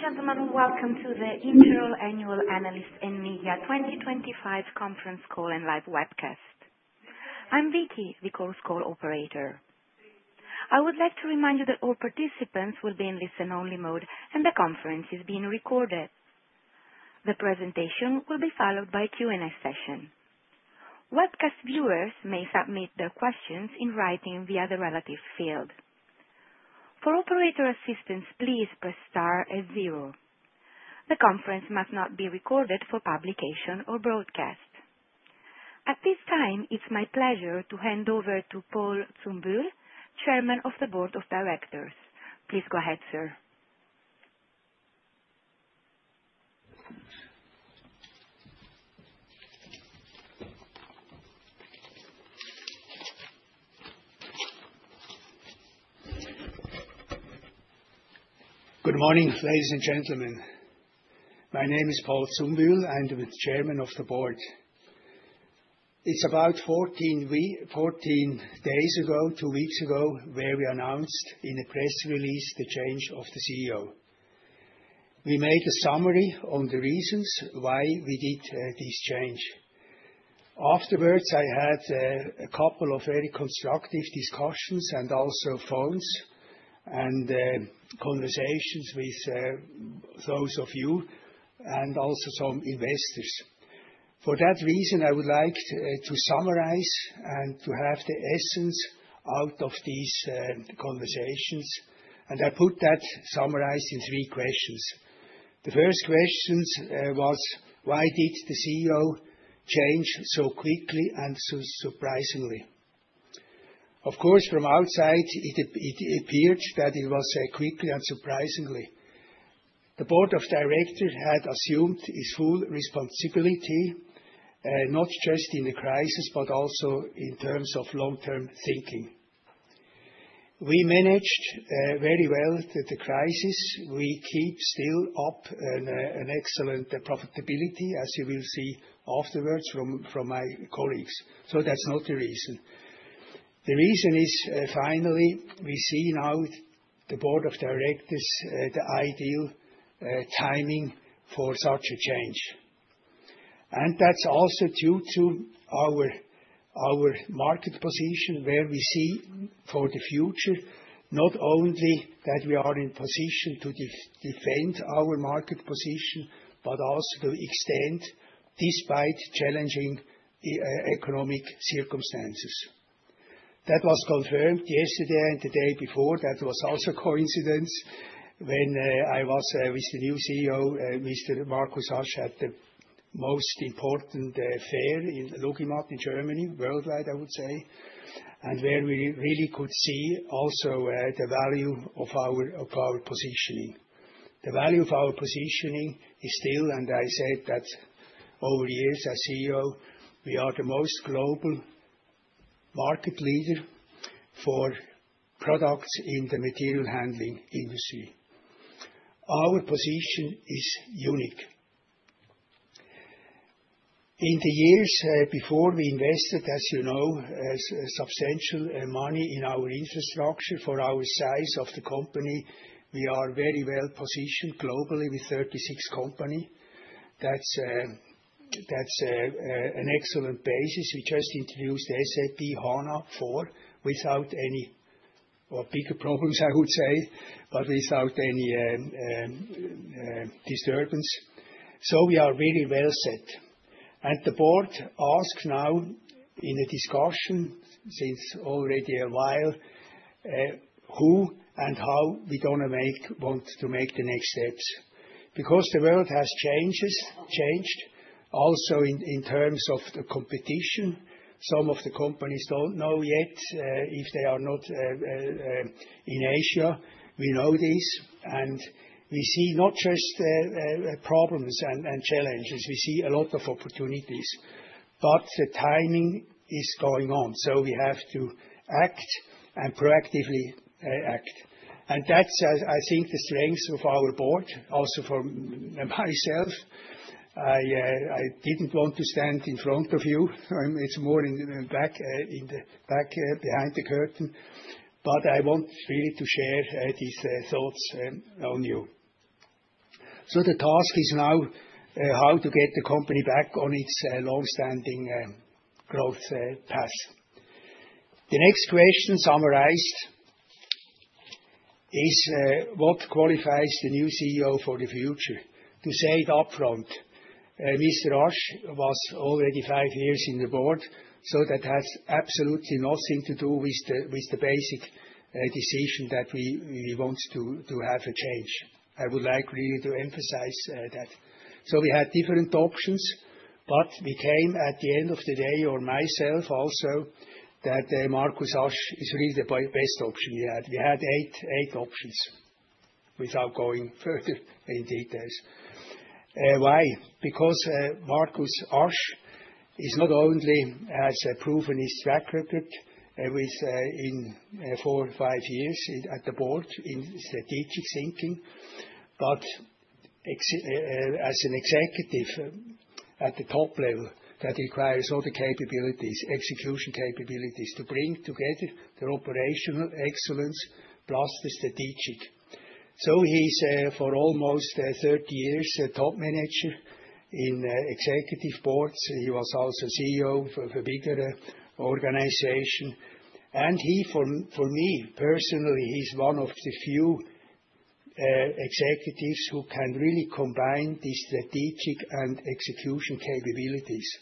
Ladies and gentlemen, welcome to the Interroll Annual Analysts in Media 2025 Conference Call and Live Webcast. I'm Vicki, the call's call operator. I would like to remind you that all participants will be in listen-only mode, and the conference is being recorded. The presentation will be followed by a Q&A session. Webcast viewers may submit their questions in writing via the relative field. For operator assistance, please press star and zero. The conference must not be recorded for publication or broadcast. At this time, it's my pleasure to hand over to Paul Zumbühl, Chairman of the Board of Directors. Please go ahead, sir. Good morning, ladies and gentlemen. My name is Paul Zumbühl, and I'm the Chairman of the Board. It's about 14 days ago, two weeks ago, where we announced in a press release the change of the CEO. We made a summary on the reasons why we did this change. Afterwards, I had a couple of very constructive discussions and also phones and conversations with those of you and also some investors. For that reason, I would like to summarize and to have the essence out of these conversations. I put that summarized in three questions. The first question was, why did the CEO change so quickly and so surprisingly? Of course, from outside, it appeared that it was quickly and surprisingly. The Board of Directors had assumed its full responsibility, not just in the crisis, but also in terms of long-term thinking. We managed very well the crisis. We keep still up an excellent profitability, as you will see afterwards from my colleagues. That is not the reason. The reason is, finally, we see now the Board of Directors, the ideal timing for such a change. That is also due to our market position, where we see for the future not only that we are in position to defend our market position, but also to extend despite challenging economic circumstances. That was confirmed yesterday and the day before. That was also a coincidence when I was with the new CEO, Mr. Marcus Asch, at the most important fair in LogiMAT in Germany, worldwide, I would say, and where we really could see also the value of our positioning. The value of our positioning is still, and I said that over the years as CEO, we are the most global market leader for products in the material handling industry. Our position is unique. In the years before, we invested, as you know, substantial money in our infrastructure for our size of the company. We are very well positioned globally with 36 companies. That's an excellent basis. We just introduced S/4HANA without any bigger problems, I would say, but without any disturbance. We are really well set. The board asks now in the discussion since already a while who and how we want to make the next steps. Because the world has changed, also in terms of the competition. Some of the companies don't know yet if they are not in Asia. We know this. We see not just problems and challenges. We see a lot of opportunities. The timing is going on. We have to act and proactively act. I think that's the strength of our board, also for myself. I didn't want to stand in front of you. It's more in the back, behind the curtain. But I want really to share these thoughts on you. The task is now how to get the company back on its long-standing growth path. The next question summarized is what qualifies the new CEO for the future. To say it upfront, Mr. Asch was already five years in the board. That has absolutely nothing to do with the basic decision that we want to have a change. I would like really to emphasize that. We had different options. We came at the end of the day, or myself also, that Marcus Asch is really the best option we had. We had eight options without going further in details. Why? Because Marcus Asch not only has proven his track record in four or five years at the board in strategic thinking, but as an executive at the top level that requires all the capabilities, execution capabilities to bring together the operational excellence plus the strategic. He is for almost 30 years a top manager in executive boards. He was also CEO of a bigger organization. And he, for me personally, he is one of the few executives who can really combine these strategic and execution capabilities.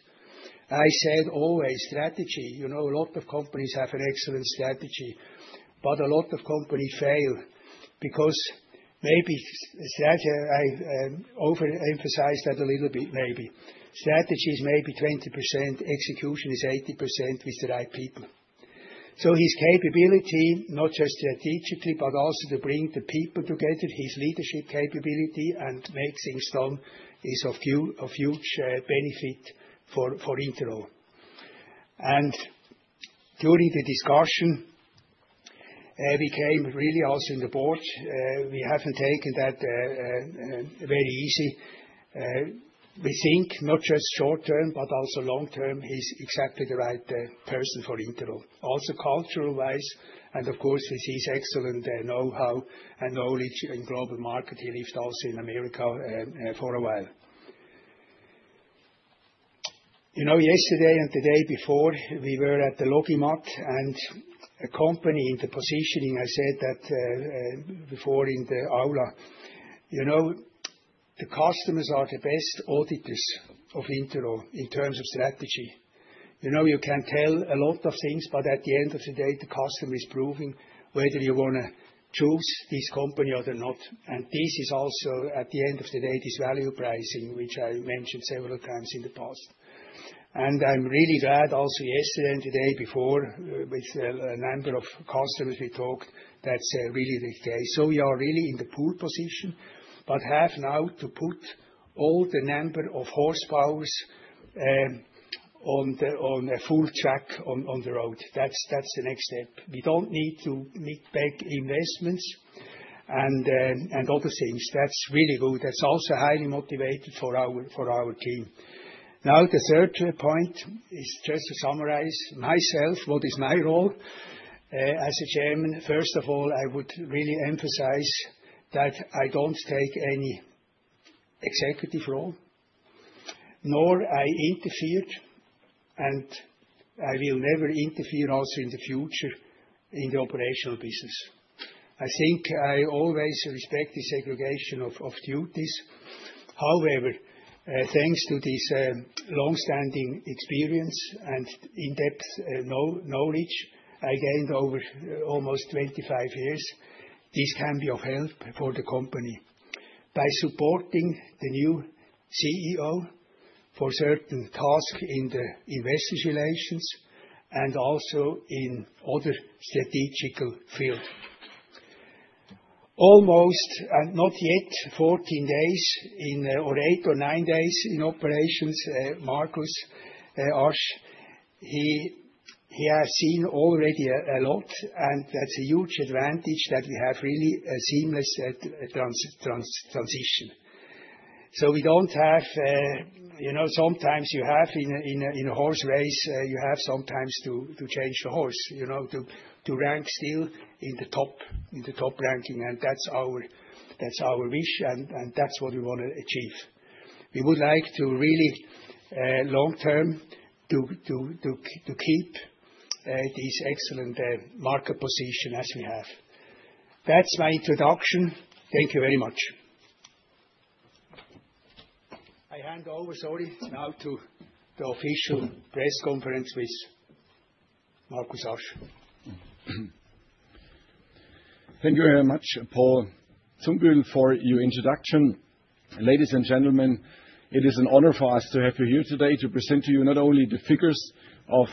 I said always strategy. You know, a lot of companies have an excellent strategy. A lot of companies fail. Because maybe strategy, I overemphasized that a little bit, maybe. Strategy is maybe 20%, execution is 80% with the right people. His capability, not just strategically, but also to bring the people together, his leadership capability and make things done is of huge benefit for Interroll. During the discussion, we came really also in the board, we haven't taken that very easy. We think not just short term, but also long term, he's exactly the right person for Interroll. Also cultural-wise, and of course with his excellent know-how and knowledge in global market, he lived also in America for a while. You know, yesterday and the day before, we were at the LogiMAT, and a company in the positioning, I said that before in the aula, you know, the customers are the best auditors of Interroll in terms of strategy. You know, you can tell a lot of things, but at the end of the day, the customer is proving whether you want to choose this company or not. This is also at the end of the day, this value pricing, which I mentioned several times in the past. I am really glad also yesterday and the day before with a number of customers we talked, that's really the case. We are really in the pool position, but have now to put all the number of horsepowers on a full track on the road. That's the next step. We do not need to make big investments and other things. That's really good. That is also highly motivating for our team. Now, the third point is just to summarize myself, what is my role as Chairman. First of all, I would really emphasize that I do not take any executive role, nor I interfered, and I will never interfere also in the future in the operational business. I think I always respect the segregation of duties. However, thanks to this long-standing experience and in-depth knowledge I gained over almost 25 years, this can be of help for the company by supporting the new CEO for certain tasks in the investors' relations and also in other strategical fields. Almost, and not yet, 14 days or eight or nine days in operations, Marcus Asch, he has seen already a lot, and that's a huge advantage that we have really a seamless transition. You know, sometimes you have in a horse race, you have sometimes to change the horse, you know, to rank still in the top ranking. And that's our wish, and that's what we want to achieve. We would like to really, long term, to keep this excellent market position as we have. That's my introduction. Thank you very much. I hand over, sorry, now to the official press conference with Marcus Asch. Thank you very much, Paul Zumbühl, for your introduction. Ladies and gentlemen, it is an honor for us to have you here today to present to you not only the figures of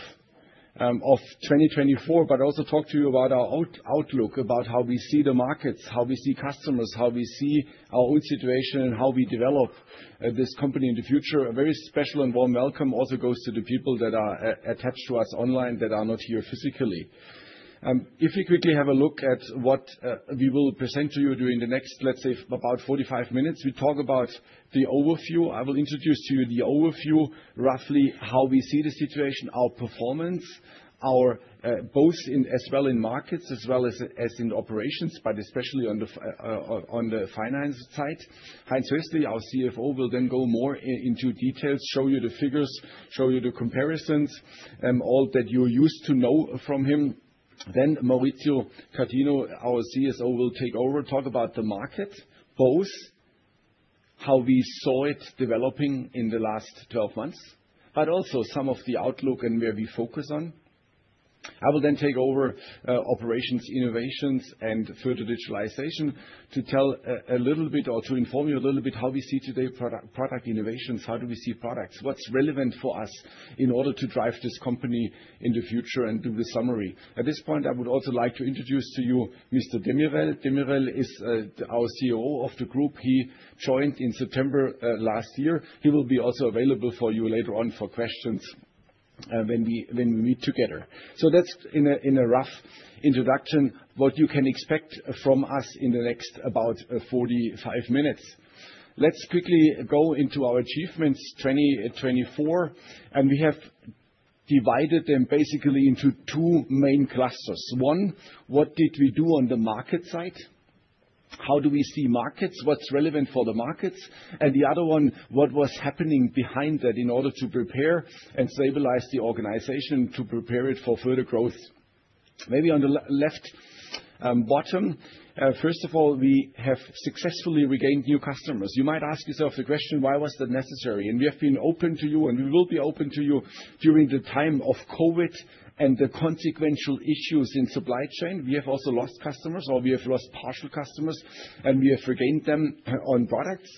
2024, but also talk to you about our outlook, about how we see the markets, how we see customers, how we see our own situation, and how we develop this company in the future. A very special and warm welcome also goes to the people that are attached to us online that are not here physically. If we quickly have a look at what we will present to you during the next, let's say, about 45 minutes, we talk about the overview. I will introduce to you the overview, roughly how we see the situation, our performance, both as well in markets as well as in operations, but especially on the finance side. Heinz Hössli, our CFO, will then go more into details, show you the figures, show you the comparisons, all that you're used to know from him. Maurizio Catino, our CSO, will take over, talk about the market, both how we saw it developing in the last 12 months, but also some of the outlook and where we focus on. I will then take over operations, innovations, and further digitalization to tell a little bit or to inform you a little bit how we see today product innovations, how do we see products, what's relevant for us in order to drive this company in the future and do the summary. At this point, I would also like to introduce to you Mr. Demirel. Demirel is our CEO of the group. He joined in September last year. He will be also available for you later on for questions when we meet together. That is in a rough introduction what you can expect from us in the next about 45 minutes. Let's quickly go into our achievements 2024. We have divided them basically into two main clusters. One, what did we do on the market side? How do we see markets? What's relevant for the markets? The other one, what was happening behind that in order to prepare and stabilize the organization to prepare it for further growth? Maybe on the left bottom, first of all, we have successfully regained new customers. You might ask yourself the question, why was that necessary? We have been open to you, and we will be open to you during the time of COVID and the consequential issues in supply chain. We have also lost customers, or we have lost partial customers, and we have regained them on products.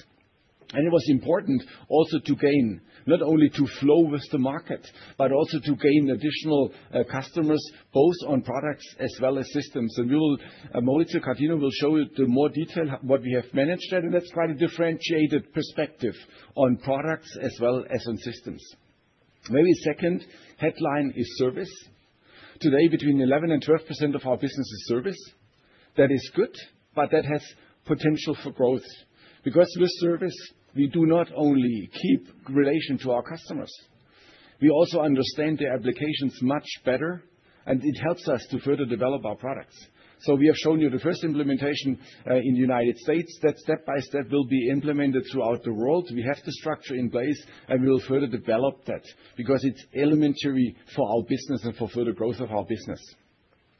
It was important also to gain, not only to flow with the market, but also to gain additional customers both on products as well as systems. Maurizio Catino will show you in more detail what we have managed there. That is quite a differentiated perspective on products as well as on systems. Maybe second headline is service. Today, between 11% and 12% of our business is service. That is good, but that has potential for growth. With service, we do not only keep relation to our customers. We also understand their applications much better, and it helps us to further develop our products. We have shown you the first implementation in the United States that step by step will be implemented throughout the world. We have the structure in place, and we will further develop that because it's elementary for our business and for further growth of our business.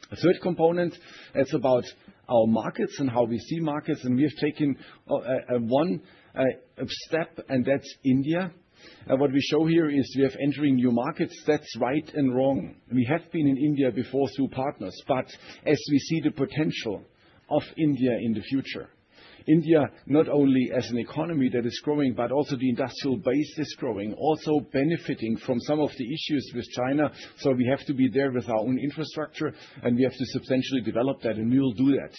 The third component, it's about our markets and how we see markets. We have taken one step, and that's India. What we show here is we have entering new markets. That's right and wrong. We have been in India before through partners, but as we see the potential of India in the future, India not only as an economy that is growing, but also the industrial base is growing, also benefiting from some of the issues with China. We have to be there with our own infrastructure, and we have to substantially develop that, and we will do that.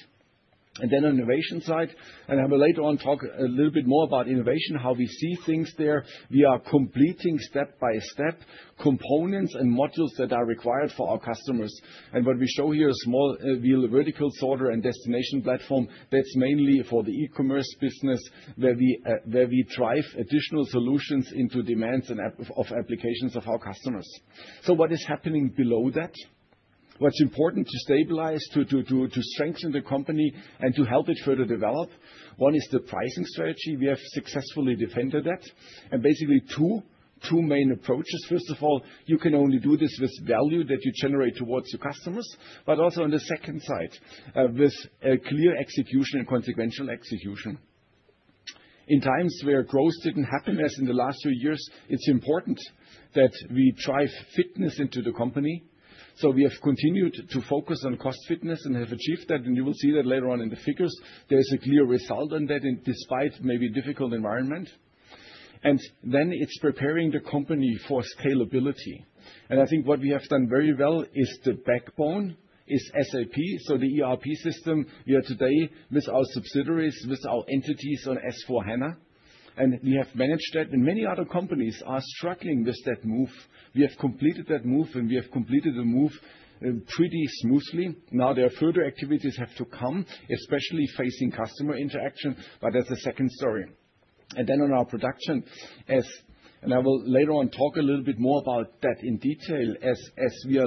On the innovation side, I will later on talk a little bit more about innovation, how we see things there. We are completing step by step components and modules that are required for our customers. What we show here is small wheel vertical sorter and destination platform. That is mainly for the e-commerce business where we drive additional solutions into demands and applications of our customers. What is happening below that? What is important to stabilize, to strengthen the company, and to help it further develop? One is the pricing strategy. We have successfully defended that. Basically, two main approaches. First of all, you can only do this with value that you generate towards your customers, but also on the second side with clear execution and consequential execution. In times where growth did not happen as in the last few years, it is important that we drive fitness into the company. We have continued to focus on cost fitness and have achieved that. You will see that later on in the figures. There's a clear result on that despite maybe a difficult environment. It is preparing the company for scalability. I think what we have done very well is the backbone is SAP, so the ERP system we have today with our subsidiaries, with our entities on S/4HANA. We have managed that. Many other companies are struggling with that move. We have completed that move, and we have completed the move pretty smoothly. There are further activities that have to come, especially facing customer interaction, but that's a second story. On our production, I will later on talk a little bit more about that in detail as we are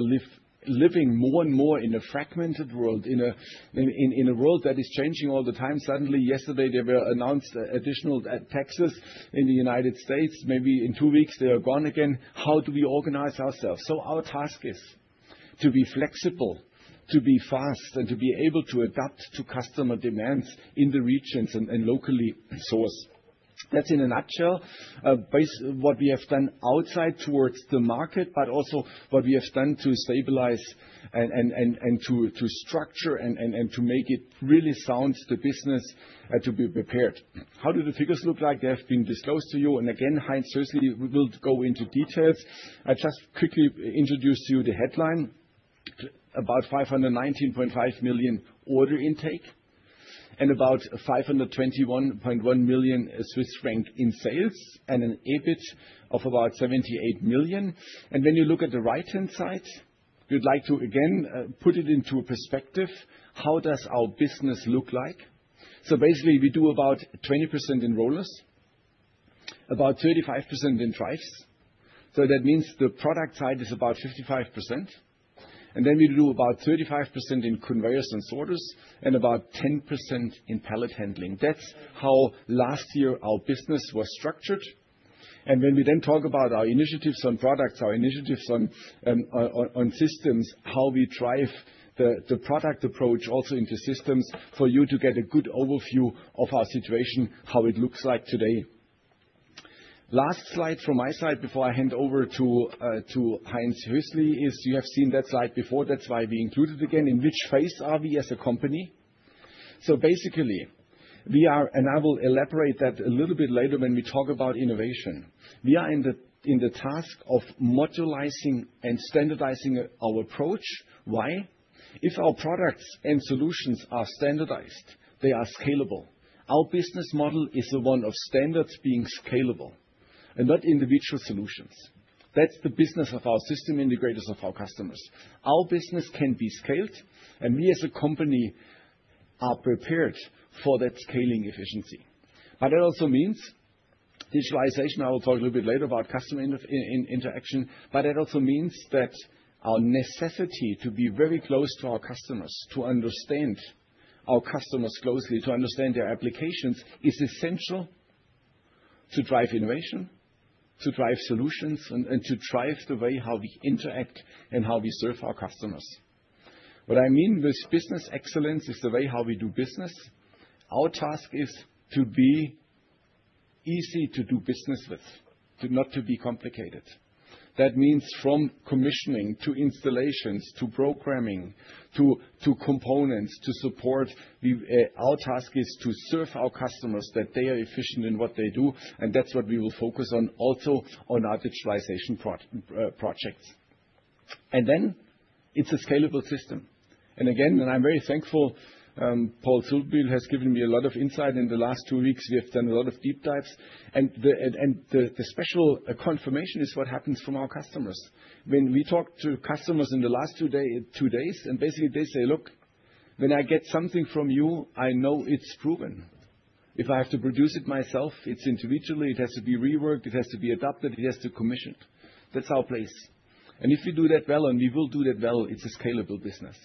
living more and more in a fragmented world, in a world that is changing all the time. Suddenly, yesterday, they were announced additional taxes in the U.S. Maybe in two weeks, they are gone again. How do we organize ourselves? Our task is to be flexible, to be fast, and to be able to adapt to customer demands in the region. And locally source. That is in a nutshell what we have done outside towards the market, but also what we have done to stabilize and to structure and to make it really sound the business to be prepared. How do the figures look like? They have been disclosed to you. Again, Heinz Hössli, we will go into details. I just quickly introduce to you the headline, about 519.5 million order intake and about 521.1 million Swiss franc in sales and an EBIT of about 78 million. When you look at the right-hand side, we would like to again put it into perspective. How does our business look like? Basically, we do about 20% in rollers, about 35% in drives. That means the product side is about 55%. We do about 35% in conveyors and sorters and about 10% in pallet handling. That is how last year our business was structured. When we then talk about our initiatives on products, our initiatives on systems, how we drive the product approach also into systems for you to get a good overview of our situation, how it looks like today. Last slide from my side before I hand over to Heinz Hössli is you have seen that slide before. That is why we included again in which phase are we as a company. Basically, we are, and I will elaborate that a little bit later when we talk about innovation. We are in the task of modularizing and standardizing our approach. Why? If our products and solutions are standardized, they are scalable. Our business model is the one of standards being scalable and not individual solutions. That is the business of our system integrators, of our customers. Our business can be scaled, and we as a company are prepared for that scaling efficiency. That also means digitalization. I will talk a little bit later about customer interaction. That also means that our necessity to be very close to our customers, to understand our customers closely, to understand their applications, is essential to drive innovation, to drive solutions, and to drive the way how we interact and how we serve our customers. What I mean with business excellence is the way how we do business. Our task is to be easy to do business with, not to be complicated. That means from commissioning to installations to programming to components to support. Our task is to serve our customers that they are efficient in what they do. That is what we will focus on also on our digitalization projects. It is a scalable system. I am very thankful Paul Zumbühl has given me a lot of insight in the last two weeks. We have done a lot of deep dives. The special confirmation is what happens from our customers. When we talk to customers in the last two days, basically they say, "Look, when I get something from you, I know it's proven. If I have to produce it myself, it's individually. It has to be reworked. It has to be adapted. It has to be commissioned." That is our place. If we do that well, and we will do that well, it is a scalable business.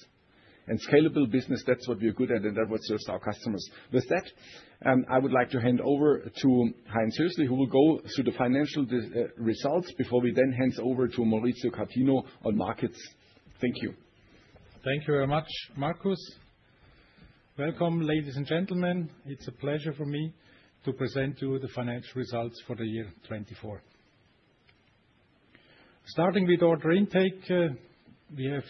Scalable business, that's what we are good at, and that's what serves our customers. With that, I would like to hand over to Heinz Hössli, who will go through the financial results before we then hand over to Maurizio Catino on markets. Thank you. Thank you very much, Marcus. Welcome, ladies and gentlemen. It's a pleasure for me to present to you the financial results for the year 2024. Starting with order intake, we have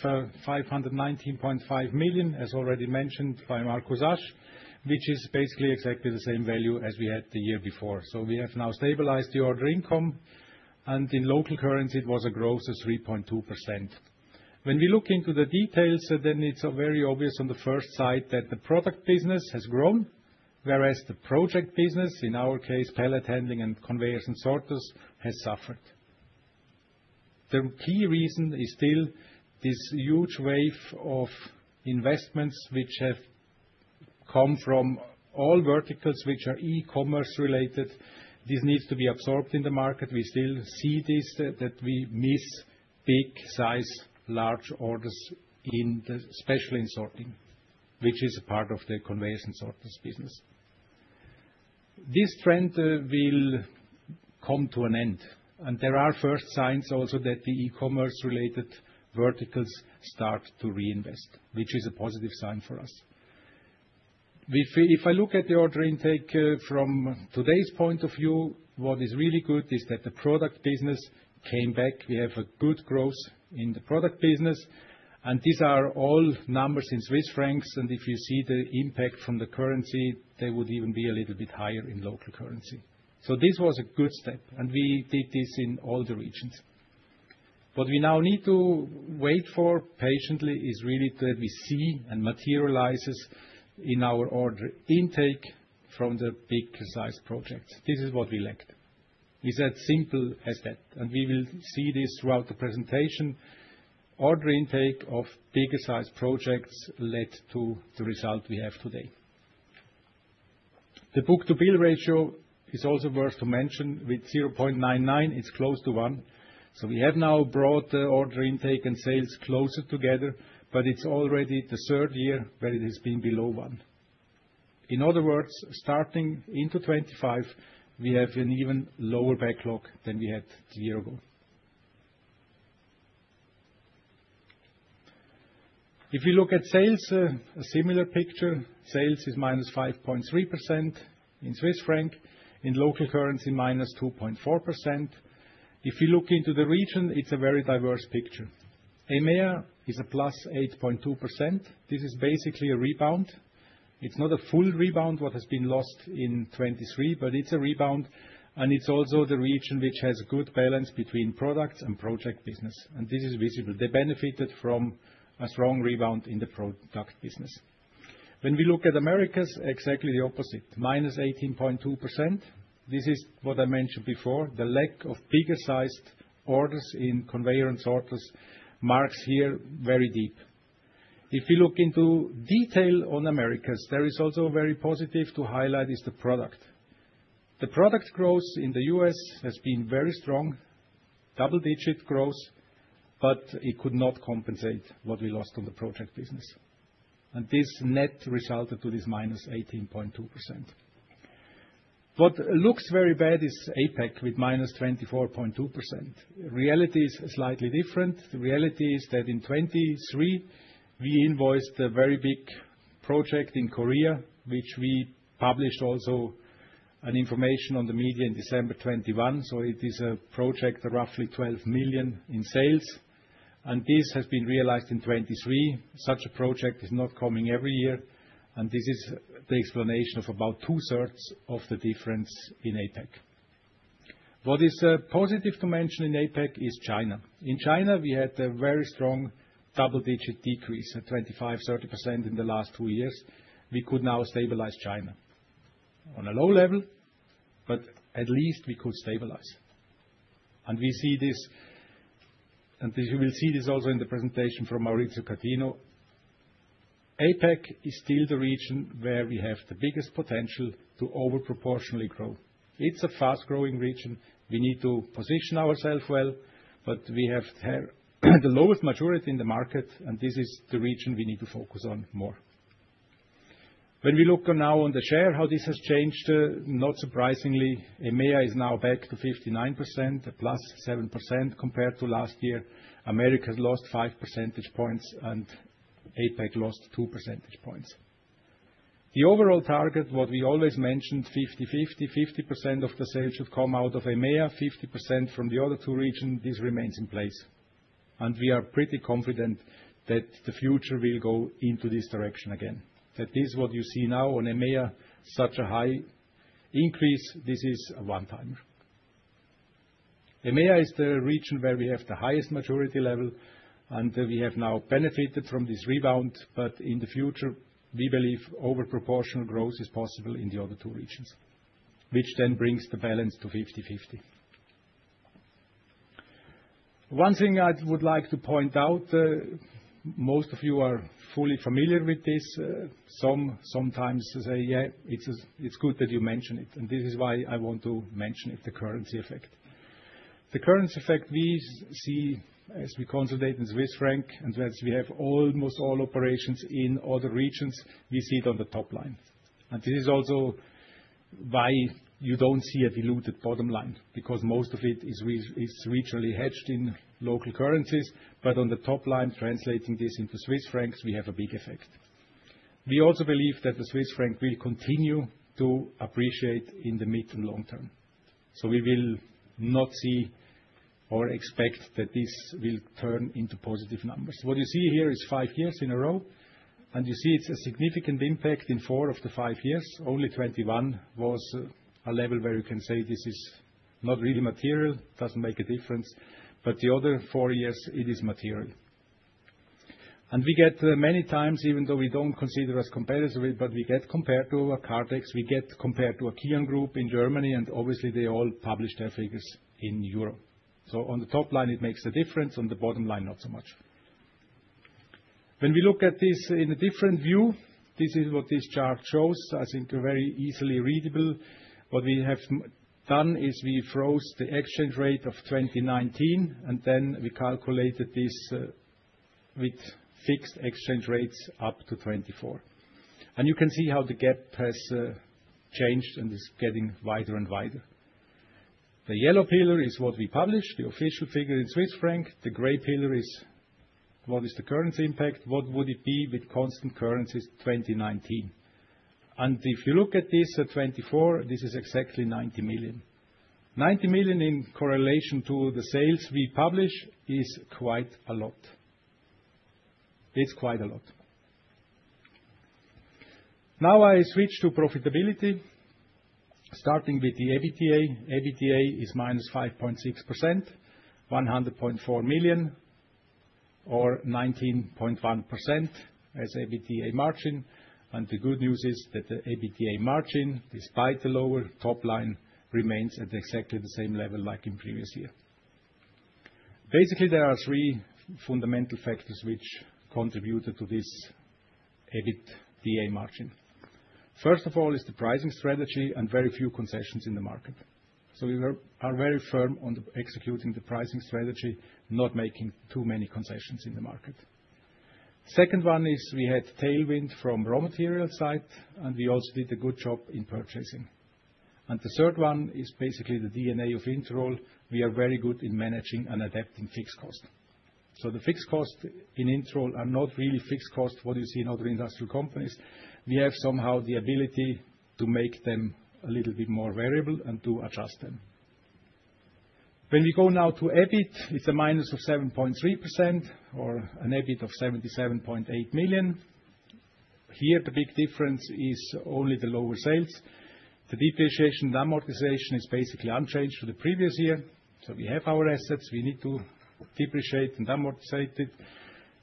519.5 million, as already mentioned by Marcus Asch, which is basically exactly the same value as we had the year before. We have now stabilized the order intake, and in local currency, it was a growth of 3.2%. When we look into the details, then it's very obvious on the first side that the product business has grown, whereas the project business, in our case, pallet handling and conveyors and sorters, has suffered. The key reason is still this huge wave of investments which have come from all verticals which are e-commerce related. This needs to be absorbed in the market. We still see this that we miss big size, large orders, especially in sorting, which is a part of the conveyors and sorters business. This trend will come to an end, and there are first signs also that the e-commerce related verticals start to reinvest, which is a positive sign for us. If I look at the order intake from today's point of view, what is really good is that the product business came back. We have a good growth in the product business, and these are all numbers in CHF. If you see the impact from the currency, they would even be a little bit higher in local currency. This was a good step, and we did this in all the regions. What we now need to wait for patiently is really that we see and materialize in our order intake from the big size projects. This is what we lacked. It's as simple as that, and we will see this throughout the presentation. Order intake of bigger size projects led to the result we have today. The book to bill ratio is also worth to mention. With 0.99, it's close to one. So we have now brought the order intake and sales closer together, but it's already the third year where it has been below one. In other words, starting into 2025, we have an even lower backlog than we had a year ago. If we look at sales, a similar picture. Sales is minus 5.3% in CHF, in local currency minus 2.4%. If we look into the region, it's a very diverse picture. EMEA is a plus 8.2%. This is basically a rebound. It's not a full rebound, what has been lost in 2023, but it's a rebound. It is also the region which has a good balance between products and project business. This is visible. They benefited from a strong rebound in the product business. When we look at Americas, exactly the opposite, minus 18.2%. This is what I mentioned before. The lack of bigger sized orders in conveyors and sorters marks here very deep. If we look into detail on Americas, there is also very positive to highlight: the product. The product growth in the US has been very strong, double digit growth, but it could not compensate what we lost on the project business. This net resulted to this minus 18.2%. What looks very bad is APEC with minus 24.2%. Reality is slightly different. The reality is that in 2023, we invoiced a very big project in Korea, which we published also information on the media in December 2021. It is a project of roughly 12 million in sales. This has been realized in 2023. Such a project is not coming every year. This is the explanation of about two thirds of the difference in APEC. What is positive to mention in APEC is China. In China, we had a very strong double-digit decrease, 25%-30% in the last two years. We could now stabilize China on a low level, but at least we could stabilize. We see this, and you will see this also in the presentation from Maurizio Catino. APEC is still the region where we have the biggest potential to overproportionally grow. It is a fast-growing region. We need to position ourselves well, but we have the lowest maturity in the market, and this is the region we need to focus on more. When we look now on the share, how this has changed, not surprisingly, EMEA is now back to 59%, plus 7% compared to last year. America has lost 5 percentage points, and APEC lost 2 percentage points. The overall target, what we always mentioned, 50-50, 50% of the sales should come out of EMEA, 50% from the other two regions. This remains in place. We are pretty confident that the future will go into this direction again. That is what you see now on EMEA, such a high increase. This is a one-timer. EMEA is the region where we have the highest maturity level, and we have now benefited from this rebound. In the future, we believe overproportional growth is possible in the other two regions, which then brings the balance to 50-50. One thing I would like to point out, most of you are fully familiar with this. Some sometimes say, "Yeah, it's good that you mention it." This is why I want to mention the currency effect. The currency effect we see as we consolidate in Swiss franc, and as we have almost all operations in other regions, we see it on the top line. This is also why you do not see a diluted bottom line, because most of it is regionally hedged in local currencies. On the top line, translating this into Swiss francs, we have a big effect. We also believe that the Swiss franc will continue to appreciate in the mid and long term. We will not see or expect that this will turn into positive numbers. What you see here is five years in a row, and you see it's a significant impact in four of the five years. Only 2021 was a level where you can say this is not really material, doesn't make a difference. The other four years, it is material. We get many times, even though we don't consider us competitive, but we get compared to a Cartex, we get compared to a Kion Group in Germany, and obviously they all published their figures in Europe. On the top line, it makes a difference. On the bottom line, not so much. When we look at this in a different view, this is what this chart shows. I think very easily readable. What we have done is we froze the exchange rate of 2019, and then we calculated this with fixed exchange rates up to 2024. You can see how the gap has changed and is getting wider and wider. The yellow pillar is what we published, the official figure in CHF. The gray pillar is what is the currency impact, what would it be with constant currencies 2019. If you look at this at 2024, this is exactly 90 million. 90 million in correlation to the sales we publish is quite a lot. It's quite a lot. Now I switch to profitability, starting with the EBITDA. EBITDA is minus 5.6%, 100.4 million or 19.1% as EBITDA margin. The good news is that the EBITDA margin, despite the lower top line, remains at exactly the same level like in previous year. Basically, there are three fundamental factors which contributed to this EBITDA margin. First of all is the pricing strategy and very few concessions in the market. We are very firm on executing the pricing strategy, not making too many concessions in the market. The second one is we had tailwind from the raw material side, and we also did a good job in purchasing. The third one is basically the DNA of Interroll. We are very good in managing and adapting fixed cost. The fixed cost in Interroll are not really fixed cost, what you see in other industrial companies. We have somehow the ability to make them a little bit more variable and to adjust them. When we go now to EBIT, it is a minus of 7.3% or an EBIT of 77.8 million. Here, the big difference is only the lower sales. The depreciation and amortization is basically unchanged to the previous year. We have our assets. We need to depreciate and amortize it.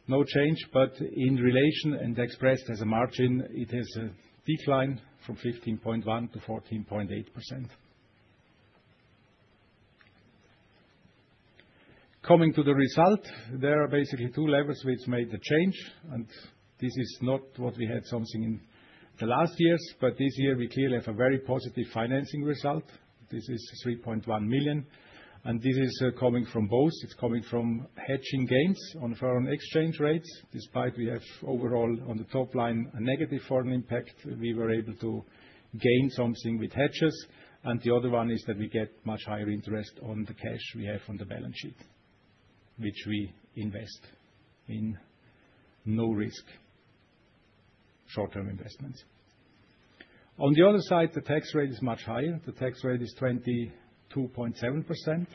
No change, but in relation and expressed as a margin, it has a decline from 15.1% to 14.8%. Coming to the result, there are basically two levers which made the change. This is not what we had something in the last years, but this year we clearly have a very positive financing result. This is 3.1 million. This is coming from both. It's coming from hedging gains on foreign exchange rates. Despite we have overall on the top line a negative foreign impact, we were able to gain something with hedges. The other one is that we get much higher interest on the cash we have on the balance sheet, which we invest in no risk, short-term investments. On the other side, the tax rate is much higher. The tax rate is 22.7%.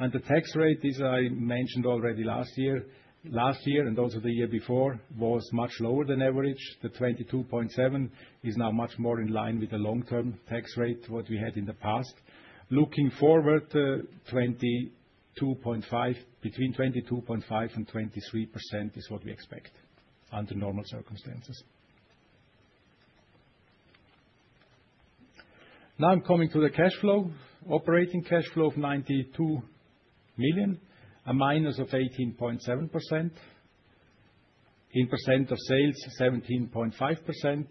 The tax rate, as I mentioned already last year, last year and also the year before, was much lower than average. The 22.7% is now much more in line with the long-term tax rate what we had in the past. Looking forward, between 22.5%-23% is what we expect under normal circumstances. Now I'm coming to the cash flow, operating cash flow of 92 million, a minus of 18.7%. In percent of sales, 17.5%.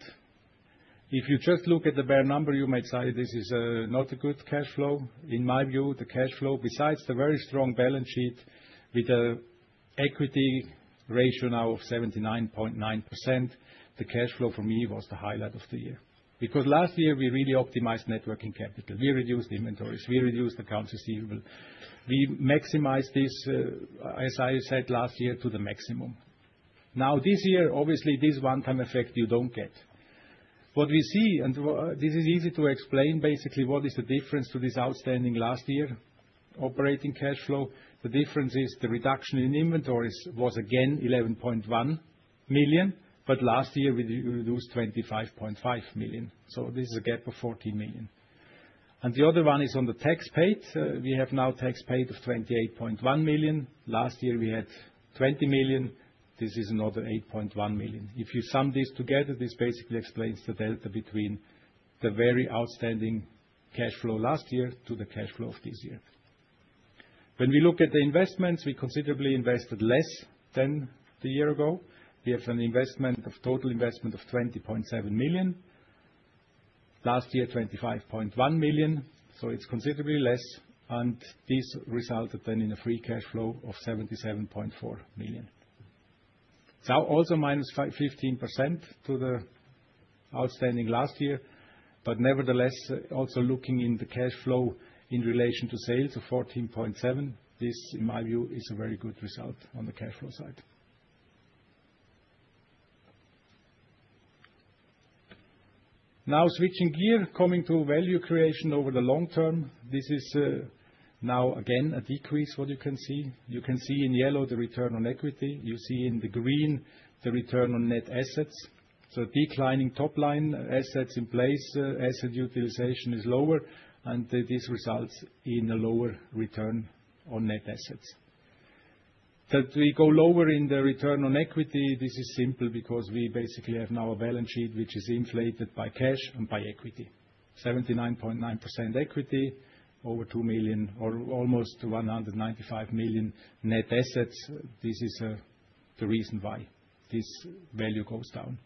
If you just look at the bare number, you may say this is not a good cash flow. In my view, the cash flow, besides the very strong balance sheet with an equity ratio now of 79.9%, the cash flow for me was the highlight of the year. Because last year, we really optimized net working capital. We reduced inventories. We reduced accounts receivable. We maximized this, as I said last year, to the maximum. Now, this year, obviously, this one-time effect you do not get. What we see, and this is easy to explain, basically what is the difference to this outstanding last year operating cash flow. The difference is the reduction in inventories was again 11.1 million, but last year we reduced 25.5 million. This is a gap of 14 million. The other one is on the tax paid. We have now tax paid of 28.1 million. Last year, we had 20 million. This is another 8.1 million. If you sum this together, this basically explains the delta between the very outstanding cash flow last year to the cash flow of this year. When we look at the investments, we considerably invested less than the year ago. We have an investment of total investment of 20.7 million. Last year, 25.1 million. It is considerably less. This resulted then in a free cash flow of 77.4 million. It is also minus 15% to the outstanding last year. Nevertheless, also looking in the cash flow in relation to sales of 14.7%, this, in my view, is a very good result on the cash flow side. Now, switching gear, coming to value creation over the long term. This is now again a decrease, what you can see. You can see in yellow the return on equity. You see in the green the return on net assets. Declining top line assets in place, asset utilization is lower, and this results in a lower return on net assets. That we go lower in the return on equity, this is simple because we basically have now a balance sheet which is inflated by cash and by equity. 79.9% equity, over 2 million or almost 195 million net assets. This is the reason why this value goes down.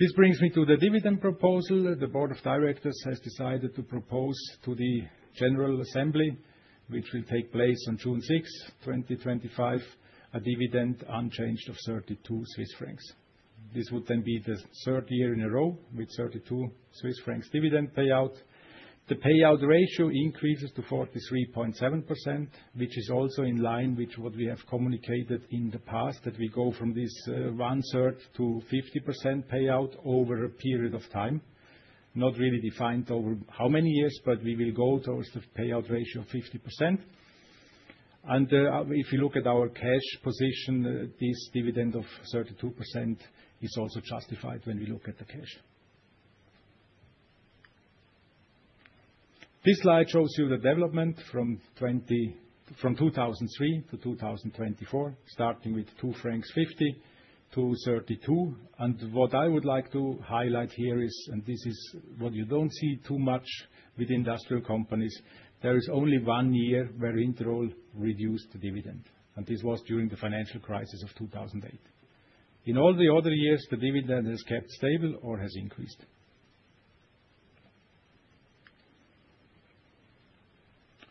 This brings me to the dividend proposal. The Board of Directors has decided to propose to the General Assembly, which will take place on June 6, 2025, a dividend unchanged of 32 Swiss francs. This would then be the third year in a row with 32 Swiss francs dividend payout. The payout ratio increases to 43.7%, which is also in line with what we have communicated in the past, that we go from this one-third to 50% payout over a period of time. Not really defined over how many years, but we will go towards the payout ratio of 50%. If you look at our cash position, this dividend of 32 is also justified when we look at the cash. This slide shows you the development from 2003 to 2024, starting with 2.50 francs to 32. What I would like to highlight here is, and this is what you do not see too much with industrial companies, there is only one year where Interroll reduced the dividend. This was during the financial crisis of 2008. In all the other years, the dividend has kept stable or has increased.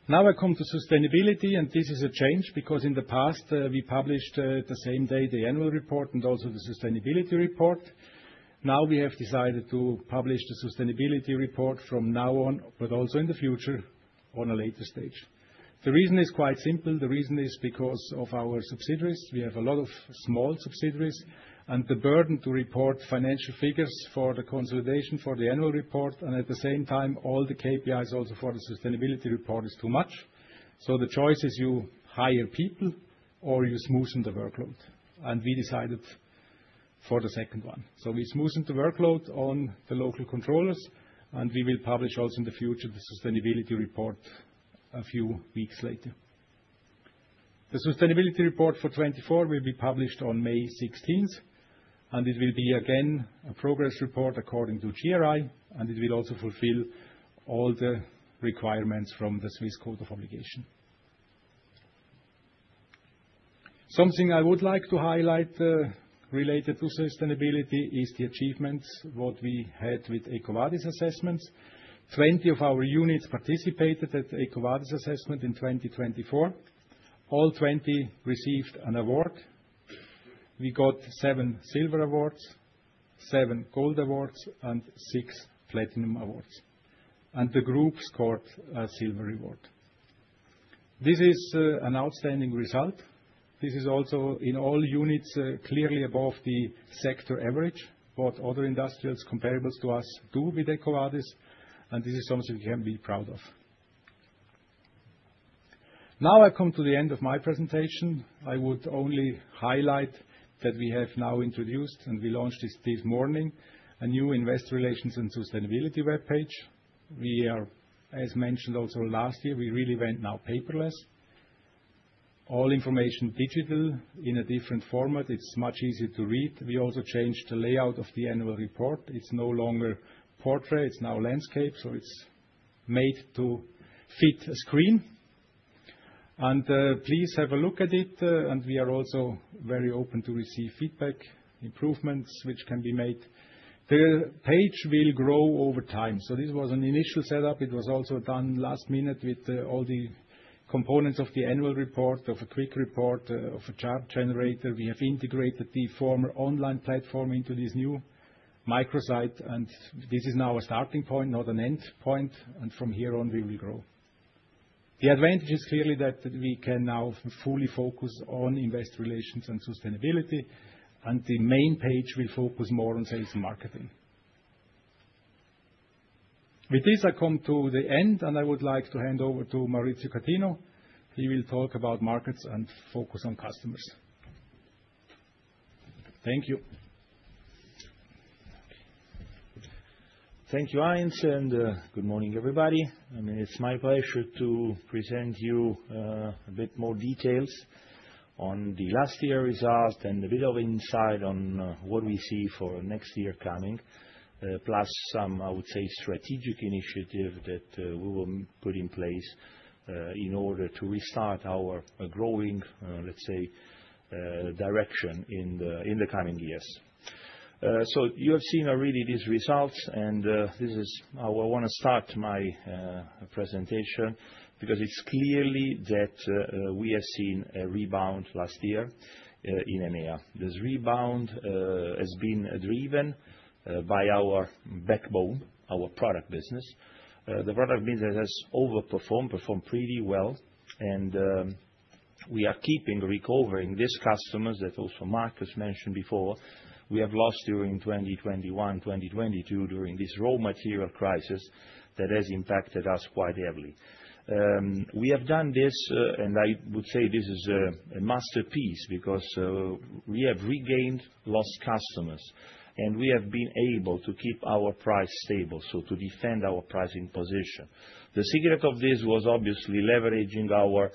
Now I come to sustainability, and this is a change because in the past, we published the same day the annual report and also the sustainability report. Now we have decided to publish the sustainability report from now on, but also in the future at a later stage. The reason is quite simple. The reason is because of our subsidiaries. We have a lot of small subsidiaries, and the burden to report financial figures for the consolidation for the annual report, and at the same time, all the KPIs also for the sustainability report is too much. The choice is you hire people or you smoothen the workload. We decided for the second one. We smoothened the workload on the local controllers, and we will publish also in the future the sustainability report a few weeks later. The sustainability report for 2024 will be published on May 16, and it will be again a progress report according to GRI, and it will also fulfill all the requirements from the Swiss Code of Obligation. Something I would like to highlight related to sustainability is the achievements what we had with EcoVadis assessments. Twenty of our units participated at EcoVadis assessment in 2024. All twenty received an award. We got seven silver awards, seven gold awards, and six platinum awards. The group scored a silver award. This is an outstanding result. This is also in all units clearly above the sector average, what other industrials comparables to us do with EcoVadis. This is something we can be proud of. Now I come to the end of my presentation. I would only highlight that we have now introduced, and we launched this morning, a new investor relations and sustainability webpage. We are, as mentioned also last year, we really went now paperless. All information digital in a different format. It's much easier to read. We also changed the layout of the annual report. It's no longer portrait. It's now landscape. It's made to fit a screen. Please have a look at it. We are also very open to receive feedback, improvements which can be made. The page will grow over time. This was an initial setup. It was also done last minute with all the components of the annual report, of a quick report, of a chart generator. We have integrated the former online platform into this new microsite. This is now a starting point, not an end point. From here on, we will grow. The advantage is clearly that we can now fully focus on investor relations and sustainability. The main page will focus more on sales and marketing. With this, I come to the end, and I would like to hand over to Maurizio Catino. He will talk about markets and focus on customers. Thank you. Thank you, Heinz, and good morning, everybody. I mean, it's my pleasure to present you a bit more details on the last year result and a bit of insight on what we see for next year coming, plus some, I would say, strategic initiative that we will put in place in order to restart our growing, let's say, direction in the coming years. You have seen already these results, and this is how I want to start my presentation because it's clearly that we have seen a rebound last year in EMEA. This rebound has been driven by our backbone, our product business. The product business has overperformed, performed pretty well, and we are keeping recovering these customers that also Marcus mentioned before. We have lost during 2021, 2022, during this raw material crisis that has impacted us quite heavily. We have done this, and I would say this is a masterpiece because we have regained lost customers, and we have been able to keep our price stable, so to defend our pricing position. The secret of this was obviously leveraging our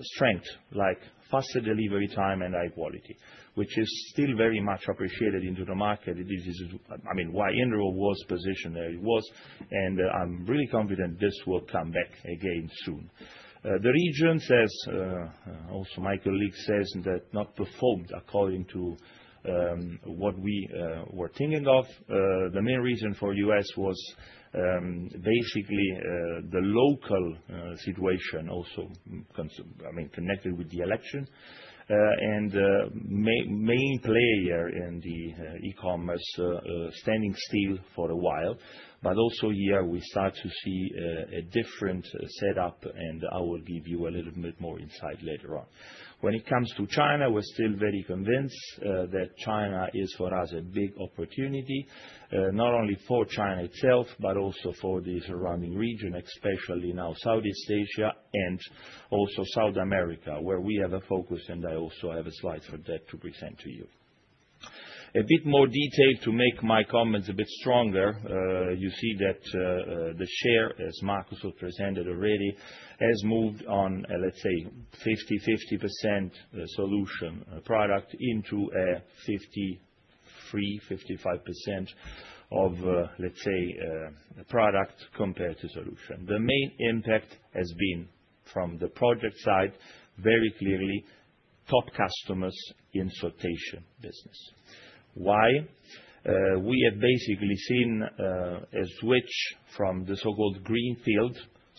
strength, like faster delivery time and high quality, which is still very much appreciated in the market. This is, I mean, why Interroll was positioned where it was, and I'm really confident this will come back again soon. The region, as also my colleague says, did not perform according to what we were thinking of. The main reason for the U.S. was basically the local situation, also connected with the election, and main player in the e-commerce, standing still for a while. Also here, we start to see a different setup, and I will give you a little bit more insight later on. When it comes to China, we're still very convinced that China is for us a big opportunity, not only for China itself, but also for the surrounding region, especially now Southeast Asia and also South America, where we have a focus, and I also have a slide for that to present to you. A bit more detail to make my comments a bit stronger. You see that the share, as Marcus has presented already, has moved on, let's say, 50-50% solution product into a 53-55% of, let's say, product compared to solution. The main impact has been from the project side, very clearly, top customers in sortation business. Why? We have basically seen a switch from the so-called green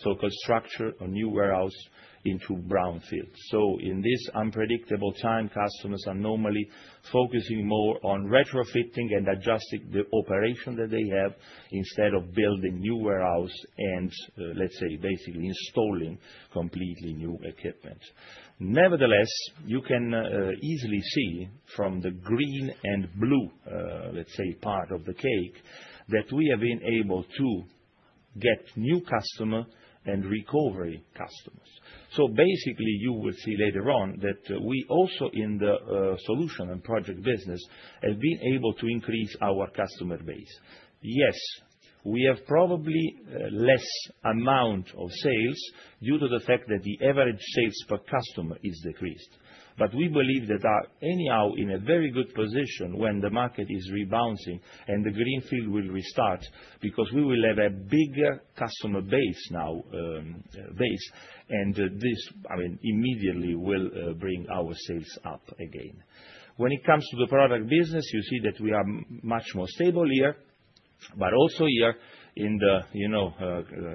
field, so-called structure, a new warehouse into brown field. In this unpredictable time, customers are normally focusing more on retrofitting and adjusting the operation that they have instead of building new warehouse and, let's say, basically installing completely new equipment. Nevertheless, you can easily see from the green and blue, let's say, part of the cake that we have been able to get new customers and recovery customers. Basically, you will see later on that we also in the solution and project business have been able to increase our customer base. Yes, we have probably less amount of sales due to the fact that the average sales per customer is decreased. We believe that anyhow in a very good position when the market is rebouncing and the green field will restart because we will have a bigger customer base now, and this, I mean, immediately will bring our sales up again. When it comes to the product business, you see that we are much more stable here, but also here in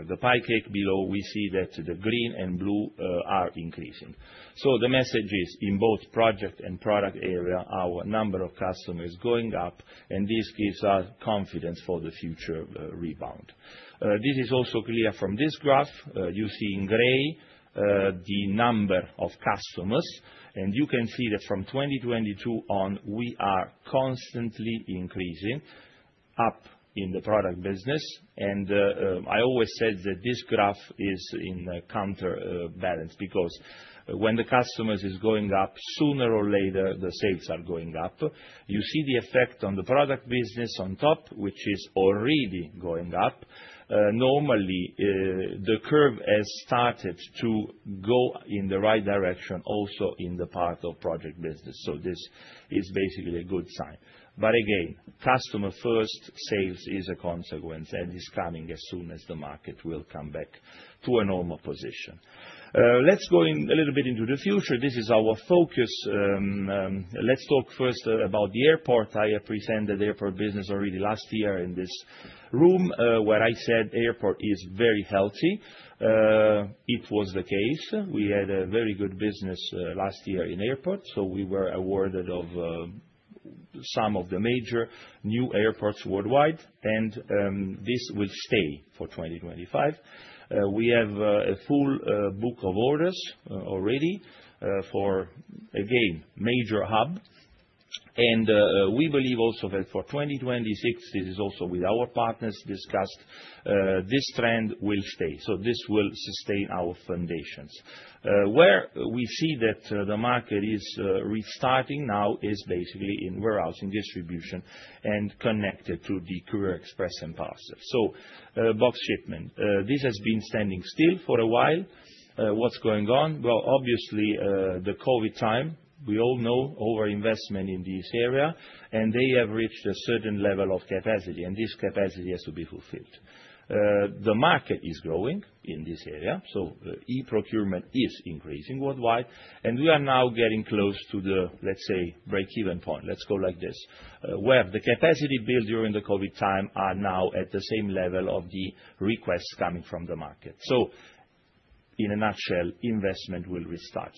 the pie cake below, we see that the green and blue are increasing. The message is in both project and product area, our number of customers is going up, and this gives us confidence for the future rebound. This is also clear from this graph. You see in gray the number of customers, and you can see that from 2022 on, we are constantly increasing up in the product business. I always said that this graph is in counterbalance because when the customers are going up, sooner or later, the sales are going up. You see the effect on the product business on top, which is already going up. Normally, the curve has started to go in the right direction also in the part of project business. This is basically a good sign. Again, customer-first sales is a consequence, and it's coming as soon as the market will come back to a normal position. Let's go a little bit into the future. This is our focus. Let's talk first about the airport. I presented the airport business already last year in this room where I said airport is very healthy. It was the case. We had a very good business last year in airport. We were awarded some of the major new airports worldwide, and this will stay for 2025. We have a full book of orders already for, again, major hub. We believe also that for 2026, this is also with our partners discussed, this trend will stay. This will sustain our foundations. Where we see that the market is restarting now is basically in warehousing, distribution, and connected to the courier express and parcel. Box shipment, this has been standing still for a while. What's going on? Obviously, the COVID time, we all know over-investment in this area, and they have reached a certain level of capacity, and this capacity has to be fulfilled. The market is growing in this area. E-procurement is increasing worldwide, and we are now getting close to the, let's say, break-even point. Let's go like this. Where the capacity built during the COVID time are now at the same level of the requests coming from the market. In a nutshell, investment will restart.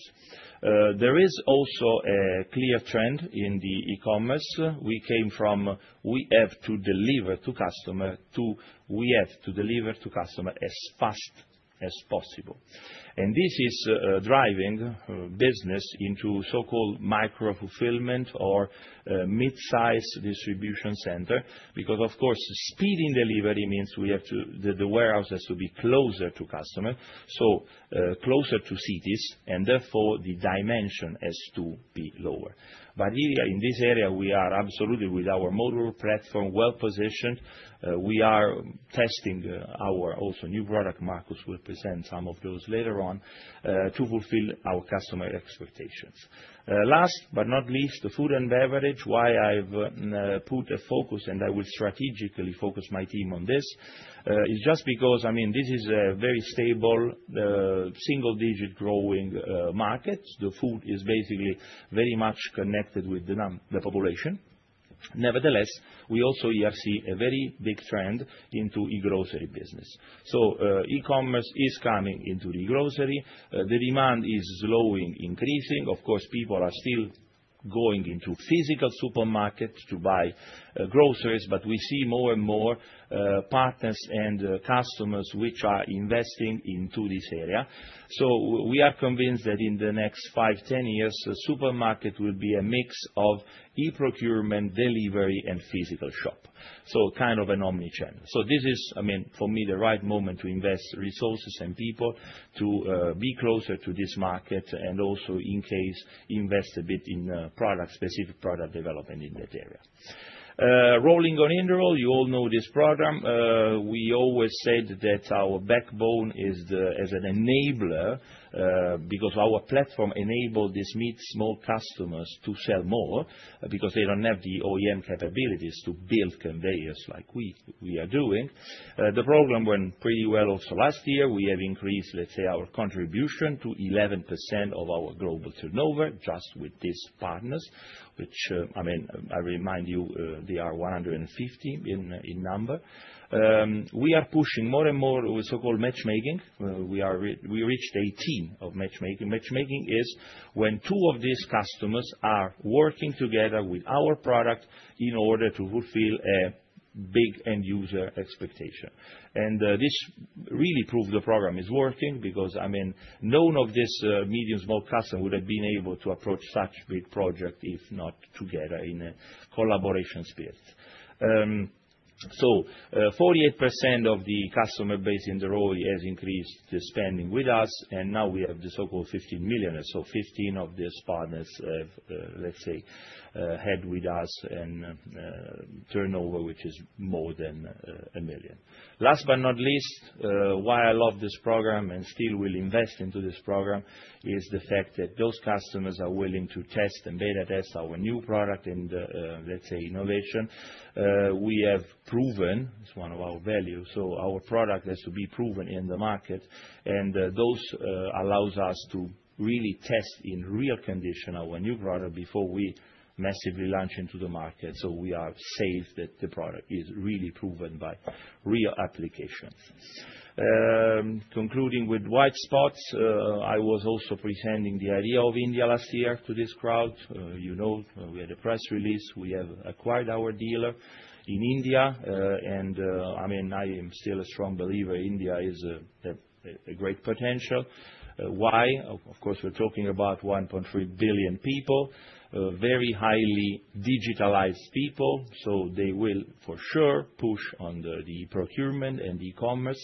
There is also a clear trend in the e-commerce. We came from we have to deliver to customer to we have to deliver to customer as fast as possible. This is driving business into so-called micro-fulfillment or mid-size distribution center because, of course, speeding delivery means we have to, the warehouse has to be closer to customer, so closer to cities, and therefore the dimension has to be lower. In this area, we are absolutely with our mobile platform well-positioned. We are testing our also new product. Marcus will present some of those later on to fulfill our customer expectations. Last but not least, the food and beverage, why I've put a focus, and I will strategically focus my team on this, is just because, I mean, this is a very stable, single-digit growing market. The food is basically very much connected with the population. Nevertheless, we also here see a very big trend into e-grocery business. E-commerce is coming into the e-grocery. The demand is slowing increasing. Of course, people are still going into physical supermarkets to buy groceries, but we see more and more partners and customers which are investing into this area. We are convinced that in the next 5, 10 years, the supermarket will be a mix of e-procurement, delivery, and physical shop. Kind of an omnichannel. This is, I mean, for me, the right moment to invest resources and people to be closer to this market and also in case invest a bit in product-specific product development in that area. Rolling on Interroll, you all know this program. We always said that our backbone is as an enabler because our platform enabled these mid-small customers to sell more because they don't have the OEM capabilities to build conveyors like we are doing. The program went pretty well also last year. We have increased, let's say, our contribution to 11% of our global turnover just with these partners, which, I mean, I remind you, they are 150 in number. We are pushing more and more with so-called matchmaking. We reached 18 of matchmaking. Matchmaking is when two of these customers are working together with our product in order to fulfill a big end-user expectation. This really proves the program is working because, I mean, none of these medium-small customers would have been able to approach such big projects if not together in a collaboration spirit. Forty-eight percent of the customer base in the row has increased spending with us, and now we have the so-called 15 million. Fifteen of these partners have, let's say, had with us and turnover, which is more than a million. Last but not least, why I love this program and still will invest into this program is the fact that those customers are willing to test and beta test our new product and, let's say, innovation. We have proven, it's one of our values. So our product has to be proven in the market, and those allow us to really test in real condition our new product before we massively launch into the market. We are safe that the product is really proven by real applications. Concluding with white spots, I was also presenting the idea of India last year to this crowd. You know, we had a press release. We have acquired our dealer in India, and I mean, I am still a strong believer India is a great potential. Why? Of course, we're talking about 1.3 billion people, very highly digitalized people. They will for sure push on the e-procurement and e-commerce.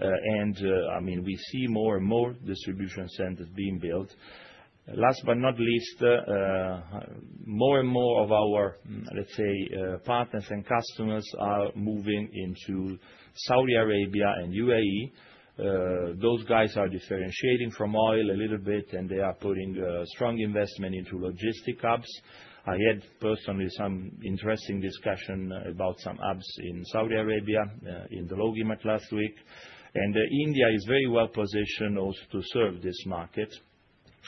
I mean, we see more and more distribution centers being built. Last but not least, more and more of our, let's say, partners and customers are moving into Saudi Arabia and UAE. Those guys are differentiating from oil a little bit, and they are putting strong investment into logistic hubs. I had personally some interesting discussion about some hubs in Saudi Arabia in the LogiMAT last week. India is very well-positioned also to serve this market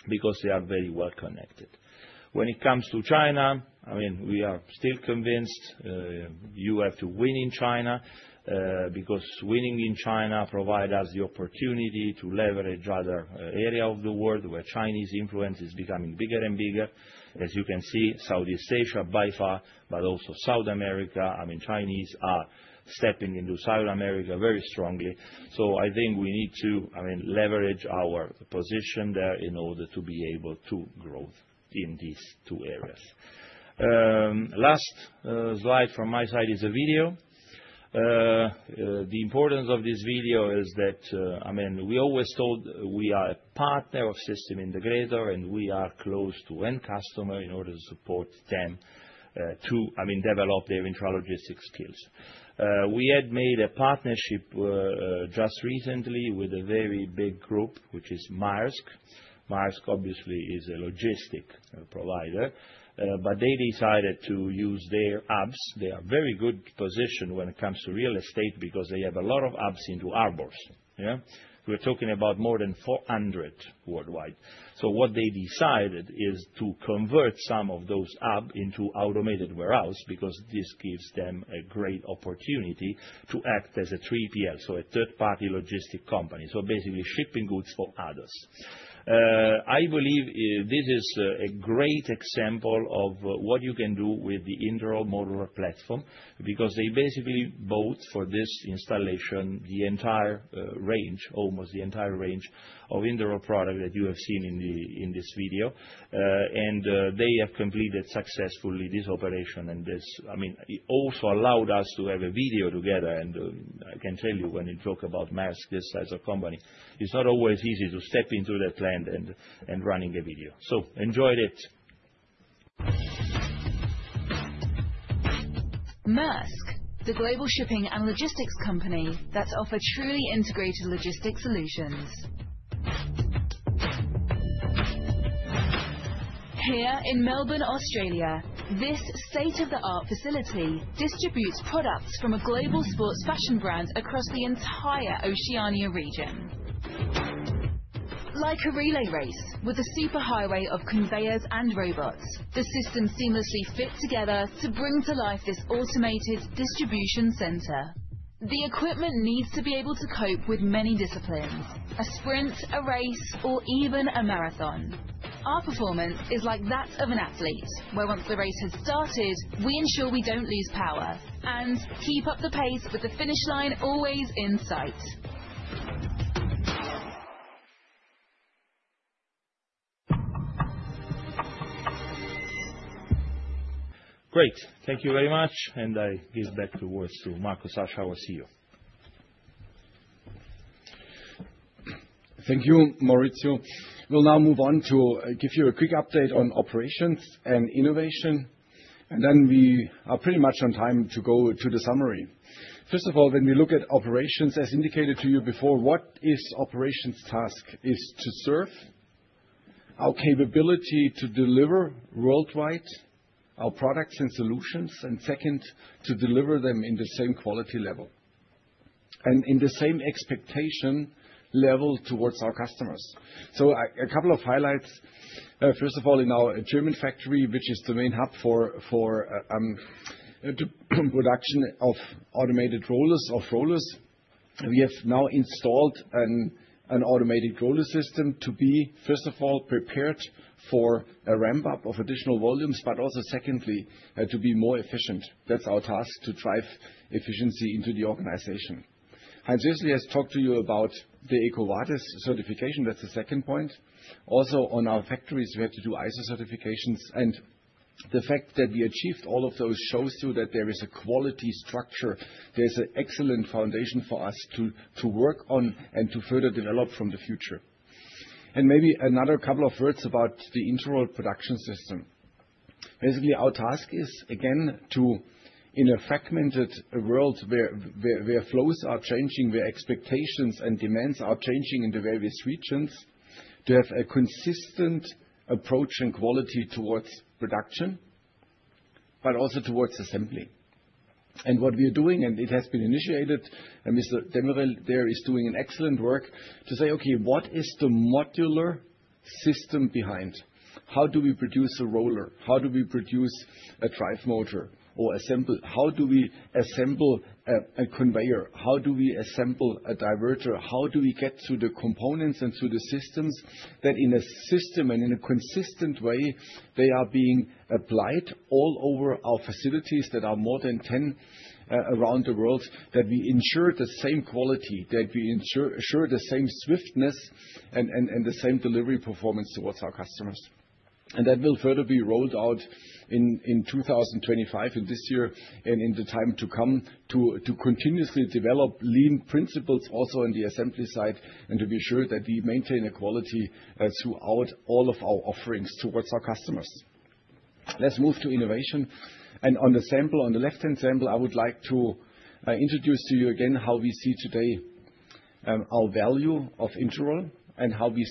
because they are very well-connected. When it comes to China, I mean, we are still convinced you have to win in China because winning in China provides us the opportunity to leverage other areas of the world where Chinese influence is becoming bigger and bigger. As you can see, Southeast Asia by far, but also South America, I mean, Chinese are stepping into South America very strongly. I think we need to, I mean, leverage our position there in order to be able to grow in these two areas. Last slide from my side is a video. The importance of this video is that, I mean, we always told we are a partner of System Integrator, and we are close to end customer in order to support them to, I mean, develop their intralogistics skills. We had made a partnership just recently with a very big group, which is Maersk. Maersk, obviously, is a logistic provider, but they decided to use their hubs. They are very good positioned when it comes to real estate because they have a lot of hubs into Arbors. Yeah? We're talking about more than 400 worldwide. What they decided is to convert some of those hubs into automated warehouse because this gives them a great opportunity to act as a 3PL, so a third-party logistic company. Basically, shipping goods for others. I believe this is a great example of what you can do with the Interroll mobile platform because they basically bought for this installation the entire range, almost the entire range of Interroll product that you have seen in this video. They have completed successfully this operation and this, I mean, also allowed us to have a video together. I can tell you when you talk about Maersk, this type of company, it's not always easy to step into that land and run a video. Enjoyed it. Maersk, the global shipping and logistics company that offers truly integrated logistics solutions. Here in Melbourne, Australia, this state-of-the-art facility distributes products from a global sports fashion brand across the entire Oceania region. Like a relay race with a superhighway of conveyors and robots, the system seamlessly fits together to bring to life this automated distribution center. The equipment needs to be able to cope with many disciplines: a sprint, a race, or even a marathon. Our performance is like that of an athlete, where once the race has started, we ensure we do not lose power and keep up the pace with the finish line always in sight. Great. Thank you very much. I give back the words to Marcus Asch. I will see you. Thank you, Maurizio. We will now move on to give you a quick update on operations and innovation. We are pretty much on time to go to the summary. First of all, when we look at operations, as indicated to you before, what is operations' task? It's to serve our capability to deliver worldwide our products and solutions, and second, to deliver them in the same quality level and in the same expectation level towards our customers. A couple of highlights. First of all, in our German factory, which is the main hub for production of automated rollers, we have now installed an automated roller system to be, first of all, prepared for a ramp-up of additional volumes, but also, secondly, to be more efficient. That's our task: to drive efficiency into the organization. I just talked to you about the EcoVadis certification. That's the second point. Also, on our factories, we had to do ISO certifications. The fact that we achieved all of those shows you that there is a quality structure. There's an excellent foundation for us to work on and to further develop from the future. Maybe another couple of words about the Interroll production system. Basically, our task is, again, to, in a fragmented world where flows are changing, where expectations and demands are changing in the various regions, to have a consistent approach and quality towards production, but also towards assembly. What we are doing, and it has been initiated, and Mr. Demirel there is doing excellent work to say, "Okay, what is the modular system behind? How do we produce a roller? How do we produce a drum motor or assemble? How do we assemble a conveyor? How do we assemble a diverter? How do we get to the components and to the systems that, in a system and in a consistent way, they are being applied all over our facilities that are more than 10 around the world, that we ensure the same quality, that we ensure the same swiftness, and the same delivery performance towards our customers? That will further be rolled out in 2025, in this year, and in the time to come to continuously develop lean principles also on the assembly side and to be sure that we maintain equality throughout all of our offerings towards our customers. Let's move to innovation. On the sample, on the left-hand sample, I would like to introduce to you again how we see today our value of Interroll and how we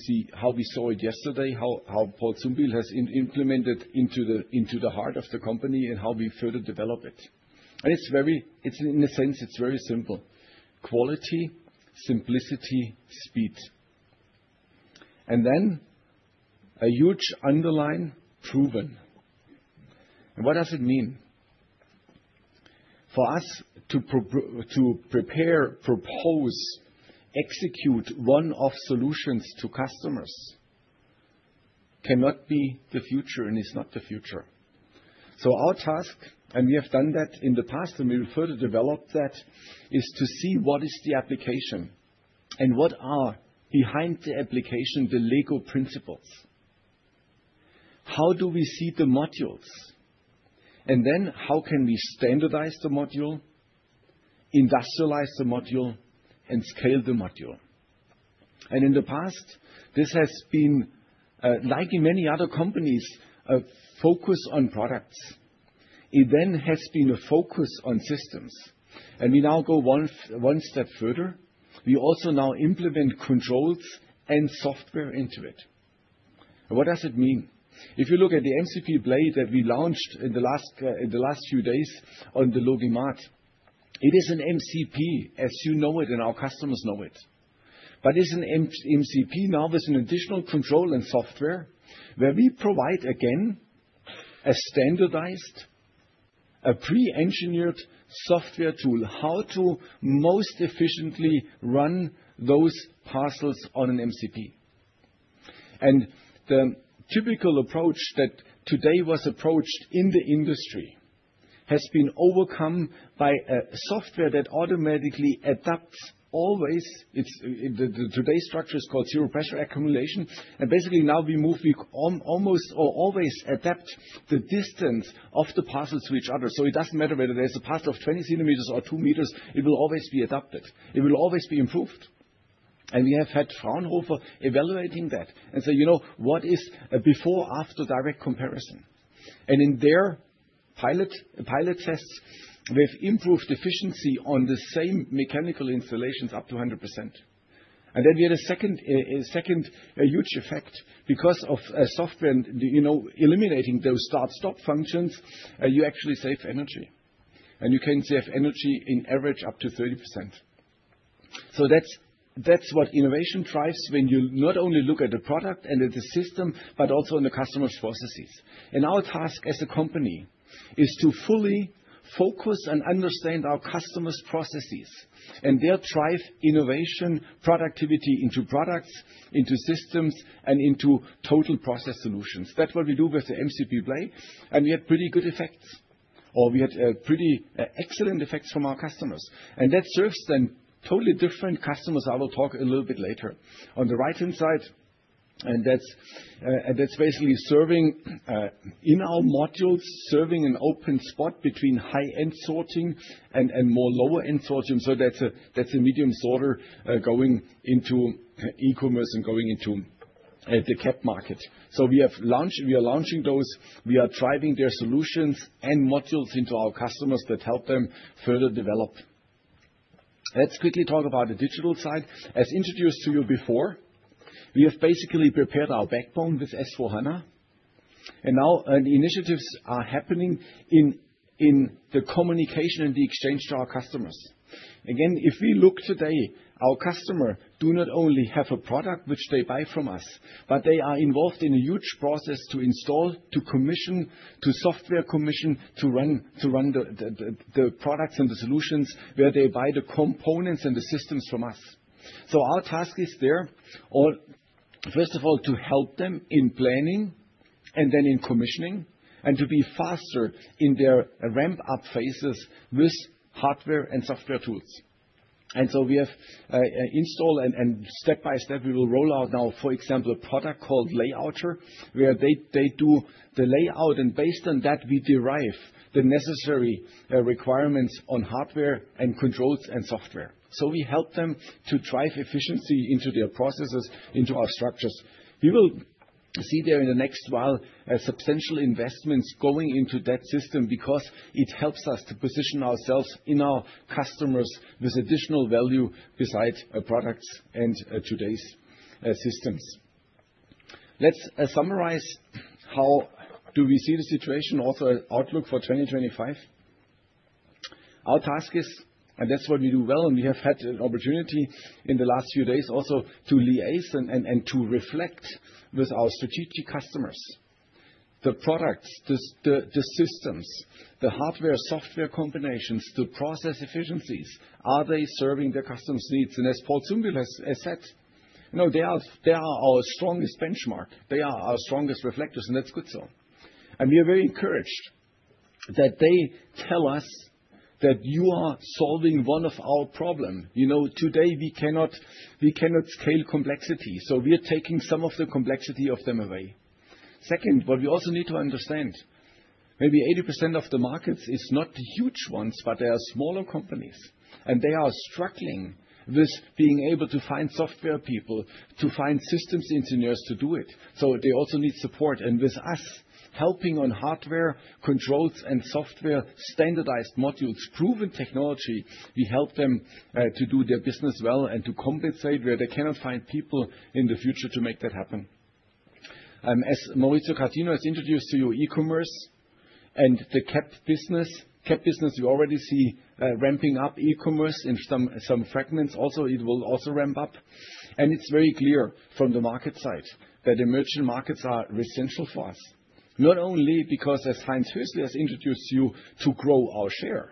saw it yesterday, how Paul Zumbühl has implemented into the heart of the company and how we further develop it. It is, in a sense, very simple: quality, simplicity, speed. Then a huge underline: proven. What does it mean? For us to prepare, propose, execute one-off solutions to customers cannot be the future, and it is not the future. Our task, and we have done that in the past, and we will further develop that, is to see what is the application and what are behind the application the legal principles. How do we see the modules? How can we standardize the module, industrialize the module, and scale the module? In the past, this has been, like in many other companies, a focus on products. It then has been a focus on systems. We now go one step further. We also now implement controls and software into it. What does it mean? If you look at the MCP blade that we launched in the last few days on the LogiMAT, it is an MCP as you know it, and our customers know it. It is an MCP now with an additional control and software where we provide, again, a standardized, a pre-engineered software tool how to most efficiently run those parcels on an MCP. The typical approach that today was approached in the industry has been overcome by a software that automatically adapts always. Today's structure is called zero pressure accumulation. Basically, now we move, we almost always adapt the distance of the parcels to each other. It does not matter whether there is a parcel of 20 centimeters or 2 meters, it will always be adapted. It will always be improved. We have had Fraunhofer evaluating that and say, "You know, what is a before-after direct comparison?" In their pilot tests, they have improved efficiency on the same mechanical installations up to 100%. We had a second huge effect because of software eliminating those start-stop functions, you actually save energy. You can save energy in average up to 30%. That is what innovation drives when you not only look at the product and at the system, but also in the customer's processes. Our task as a company is to fully focus and understand our customers' processes and their drive innovation productivity into products, into systems, and into total process solutions. That is what we do with the MCP blade. We had pretty good effects, or we had pretty excellent effects from our customers. That serves then totally different customers. I will talk a little bit later. On the right-hand side, and that is basically serving in our modules, serving an open spot between high-end sorting and more lower-end sorting. That is a medium sorter going into e-commerce and going into the cap market. We are launching those. We are driving their solutions and modules into our customers that help them further develop. Let's quickly talk about the digital side. As introduced to you before, we have basically prepared our backbone with S/4HANA. Now initiatives are happening in the communication and the exchange to our customers. Again, if we look today, our customers do not only have a product which they buy from us, but they are involved in a huge process to install, to commission, to software commission, to run the products and the solutions where they buy the components and the systems from us. Our task is there, first of all, to help them in planning and then in commissioning and to be faster in their ramp-up phases with hardware and software tools. We have installed and step by step, we will roll out now, for example, a product called Layouter, where they do the layout. Based on that, we derive the necessary requirements on hardware and controls and software. We help them to drive efficiency into their processes, into our structures. We will see there in the next while substantial investments going into that system because it helps us to position ourselves in our customers with additional value beside products and today's systems. Let's summarize how do we see the situation, also outlook for 2025. Our task is, and that's what we do well, and we have had an opportunity in the last few days also to liaise and to reflect with our strategic customers. The products, the systems, the hardware-software combinations, the process efficiencies, are they serving their customers' needs? As Paul Zumbühl has said, they are our strongest benchmark. They are our strongest reflectors, and that's good so. We are very encouraged that they tell us that you are solving one of our problems. Today, we cannot scale complexity, so we are taking some of the complexity of them away. Second, what we also need to understand, maybe 80% of the markets is not huge ones, but there are smaller companies, and they are struggling with being able to find software people, to find systems engineers to do it. They also need support. With us helping on hardware controls and software standardized modules, proven technology, we help them to do their business well and to compensate where they cannot find people in the future to make that happen. As Maurizio Catino has introduced to you, e-commerce and the CapEx business, CapEx business, you already see ramping up e-commerce in some fragments. Also, it will also ramp up. It is very clear from the market side that emerging markets are essential for us, not only because, as Heinz Hössli has introduced to you, to grow our share,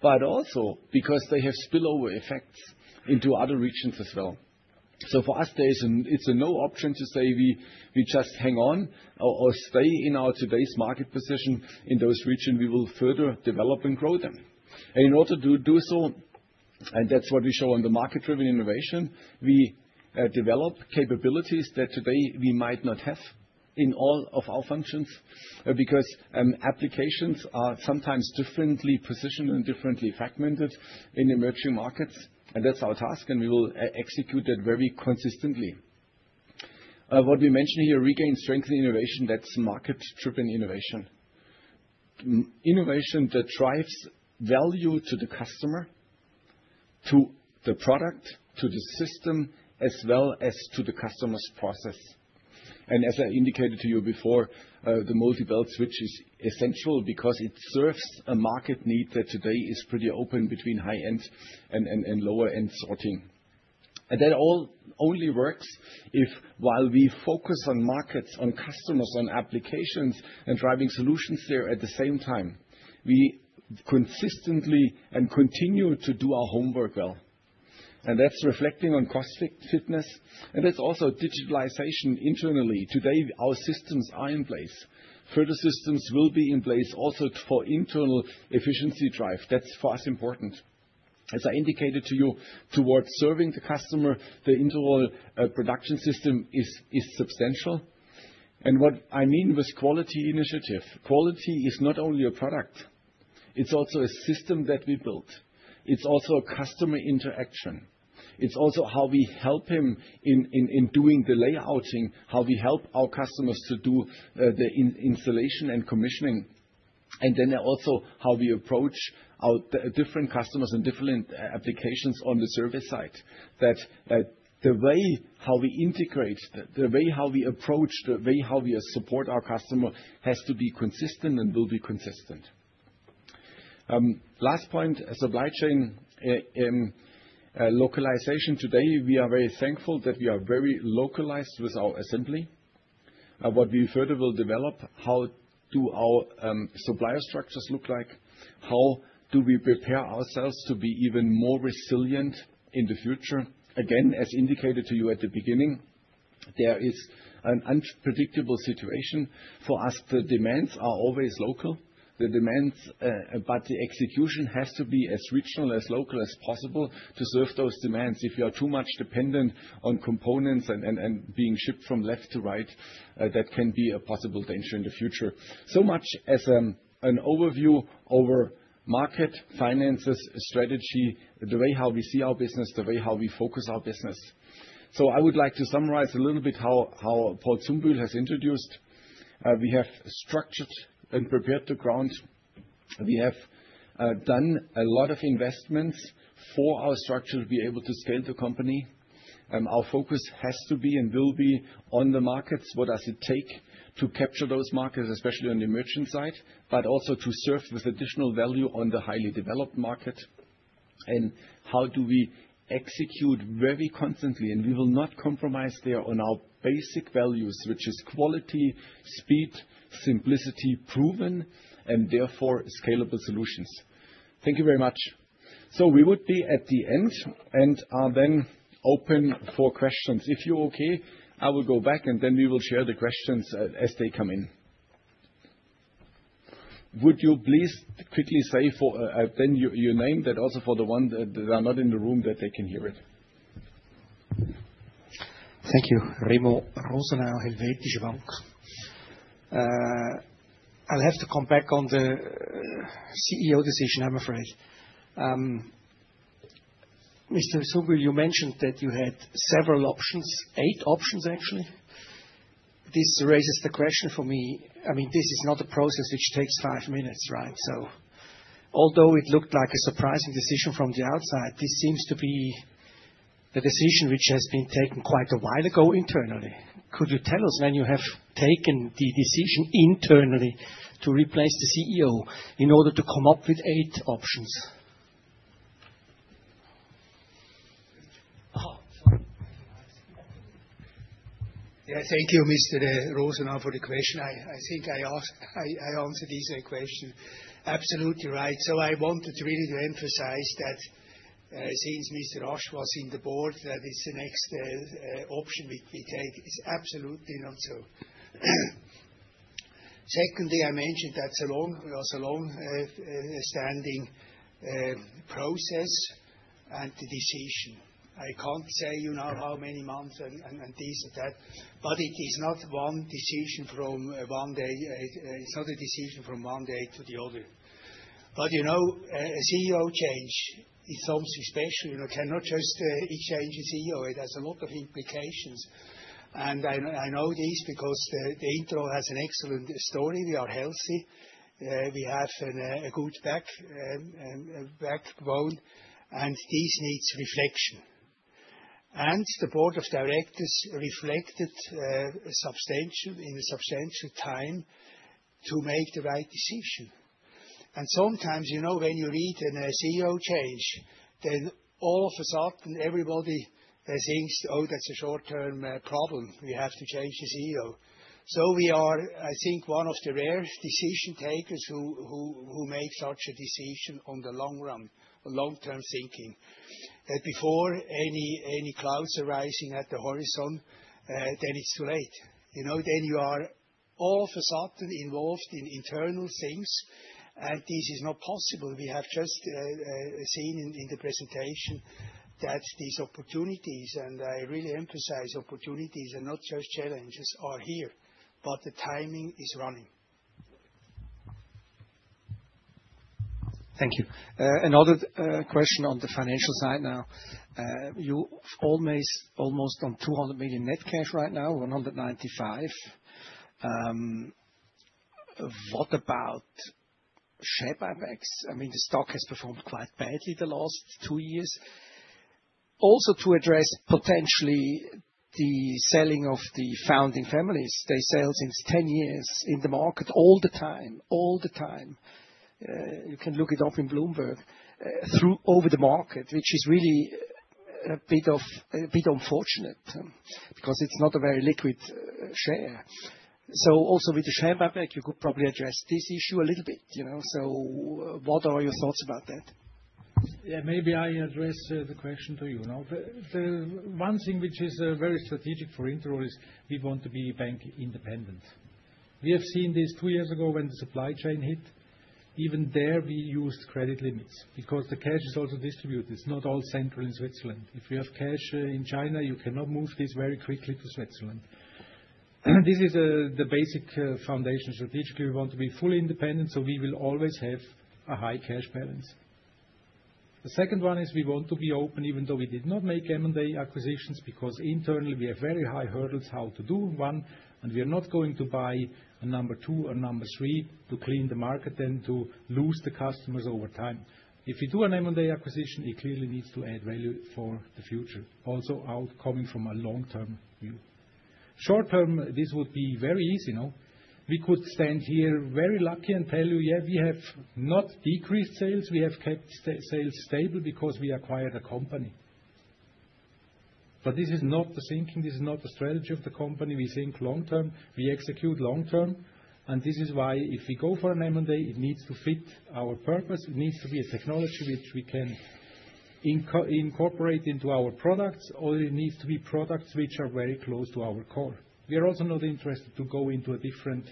but also because they have spillover effects into other regions as well. For us, it's a no option to say we just hang on or stay in our today's market position in those regions. We will further develop and grow them. In order to do so, and that's what we show on the market-driven innovation, we develop capabilities that today we might not have in all of our functions because applications are sometimes differently positioned and differently fragmented in emerging markets. That's our task, and we will execute that very consistently. What we mentioned here, regain strength in innovation, that's market-driven innovation. Innovation that drives value to the customer, to the product, to the system, as well as to the customer's process. As I indicated to you before, the multi-belt switch is essential because it serves a market need that today is pretty open between high-end and lower-end sorting. That all only works if, while we focus on markets, on customers, on applications, and driving solutions there at the same time, we consistently and continue to do our homework well. That is reflecting on cost fitness. That is also digitalization internally. Today, our systems are in place. Further systems will be in place also for internal efficiency drive. That is for us important. As I indicated to you, towards serving the customer, the Interroll production system is substantial. What I mean with quality initiative, quality is not only a product. It is also a system that we built. It is also a customer interaction. It is also how we help him in doing the layouting, how we help our customers to do the installation and commissioning, and then also how we approach different customers and different applications on the service side. That the way how we integrate, the way how we approach, the way how we support our customer has to be consistent and will be consistent. Last point, supply chain localization. Today, we are very thankful that we are very localized with our assembly. What we further will develop, how do our supplier structures look like? How do we prepare ourselves to be even more resilient in the future? Again, as indicated to you at the beginning, there is an unpredictable situation for us. The demands are always local, the demands, but the execution has to be as regional, as local as possible to serve those demands. If you are too much dependent on components and being shipped from left to right, that can be a possible danger in the future. Much as an overview over market, finances, strategy, the way how we see our business, the way how we focus our business. I would like to summarize a little bit how Paul Zumbühl has introduced. We have structured and prepared the ground. We have done a lot of investments for our structure to be able to scale the company. Our focus has to be and will be on the markets. What does it take to capture those markets, especially on the emerging side, but also to serve with additional value on the highly developed market? How do we execute very constantly? We will not compromise there on our basic values, which is quality, speed, simplicity, proven, and therefore scalable solutions. Thank you very much. We would be at the end and are then open for questions. If you're okay, I will go back, and then we will share the questions as they come in. Would you please quickly say then your name, that also for the ones that are not in the room, that they can hear it? Thank you. Remo Rosenau, Helvetische Bank. I'll have to come back on the CEO decision, I'm afraid. Mr. Zumbühl, you mentioned that you had several options, eight options actually. This raises the question for me. I mean, this is not a process which takes five minutes, right? Although it looked like a surprising decision from the outside, this seems to be the decision which has been taken quite a while ago internally. Could you tell us when you have taken the decision internally to replace the CEO in order to come up with eight options? Yeah, thank you, Mr. Rosenau, for the question. I think I answered either question. Absolutely right. I wanted really to emphasize that since Mr. Asch was in the board, that is the next option we take. It's absolutely not so. Secondly, I mentioned that's a long, it was a long-standing process and the decision. I can't say you know how many months and this and that, but it is not one decision from one day. It's not a decision from one day to the other. A CEO change is something special. You cannot just exchange a CEO. It has a lot of implications. I know this because Interroll has an excellent story. We are healthy. We have a good backbone, and this needs reflection. The board of directors reflected in a substantial time to make the right decision. Sometimes when you read a CEO change, then all of a sudden, everybody thinks, "Oh, that's a short-term problem. We have to change the CEO." We are, I think, one of the rare decision takers who make such a decision on the long run, long-term thinking. Before any clouds are rising at the horizon, then it's too late. You are all of a sudden involved in internal things, and this is not possible. We have just seen in the presentation that these opportunities, and I really emphasize opportunities and not just challenges, are here, but the timing is running. Thank you. Another question on the financial side now. You've almost on 200 million net cash right now, 195 million. What about Shab Ibex? I mean, the stock has performed quite badly the last two years. Also to address potentially the selling of the founding families. They've been selling since 10 years in the market all the time, all the time. You can look it up in Bloomberg through over the market, which is really a bit unfortunate because it's not a very liquid share. Also with the SMI, you could probably address this issue a little bit. What are your thoughts about that? Maybe I address the question to you. One thing which is very strategic for Interroll is we want to be bank independent. We have seen this two years ago when the supply chain hit. Even there, we used credit limits because the cash is also distributed. It's not all central in Switzerland. If you have cash in China, you cannot move this very quickly to Switzerland. This is the basic foundation. Strategically, we want to be fully independent, so we will always have a high cash balance. The second one is we want to be open, even though we did not make M&A acquisitions because internally, we have very high hurdles how to do one, and we are not going to buy a number two or number three to clean the market and to lose the customers over time. If you do an M&A acquisition, it clearly needs to add value for the future, also outcoming from a long-term view. Short term, this would be very easy. We could stand here very lucky and tell you, "Yeah, we have not decreased sales. We have kept sales stable because we acquired a company." This is not the thinking. This is not the strategy of the company. We think long-term. We execute long-term. This is why if we go for an M&A, it needs to fit our purpose. It needs to be a technology which we can incorporate into our products, or it needs to be products which are very close to our core. We are also not interested to go into a different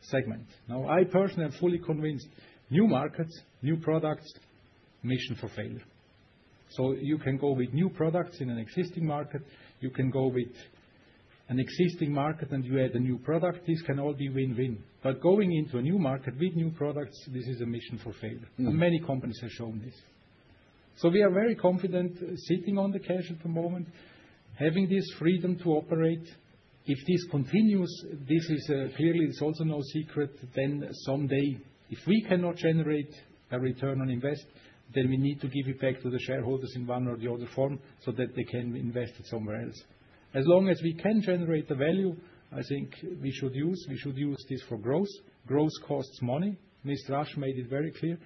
segment. Now, I personally am fully convinced new markets, new products, mission for failure. You can go with new products in an existing market. You can go with an existing market and you add a new product. This can all be win-win. Going into a new market with new products, this is a mission for failure. Many companies have shown this. We are very confident sitting on the cash at the moment, having this freedom to operate. If this continues, this is clearly, it's also no secret, then someday, if we cannot generate a return on invest, then we need to give it back to the shareholders in one or the other form so that they can invest it somewhere else. As long as we can generate the value, I think we should use this for growth. Growth costs money. Mr. Asch made it very clear.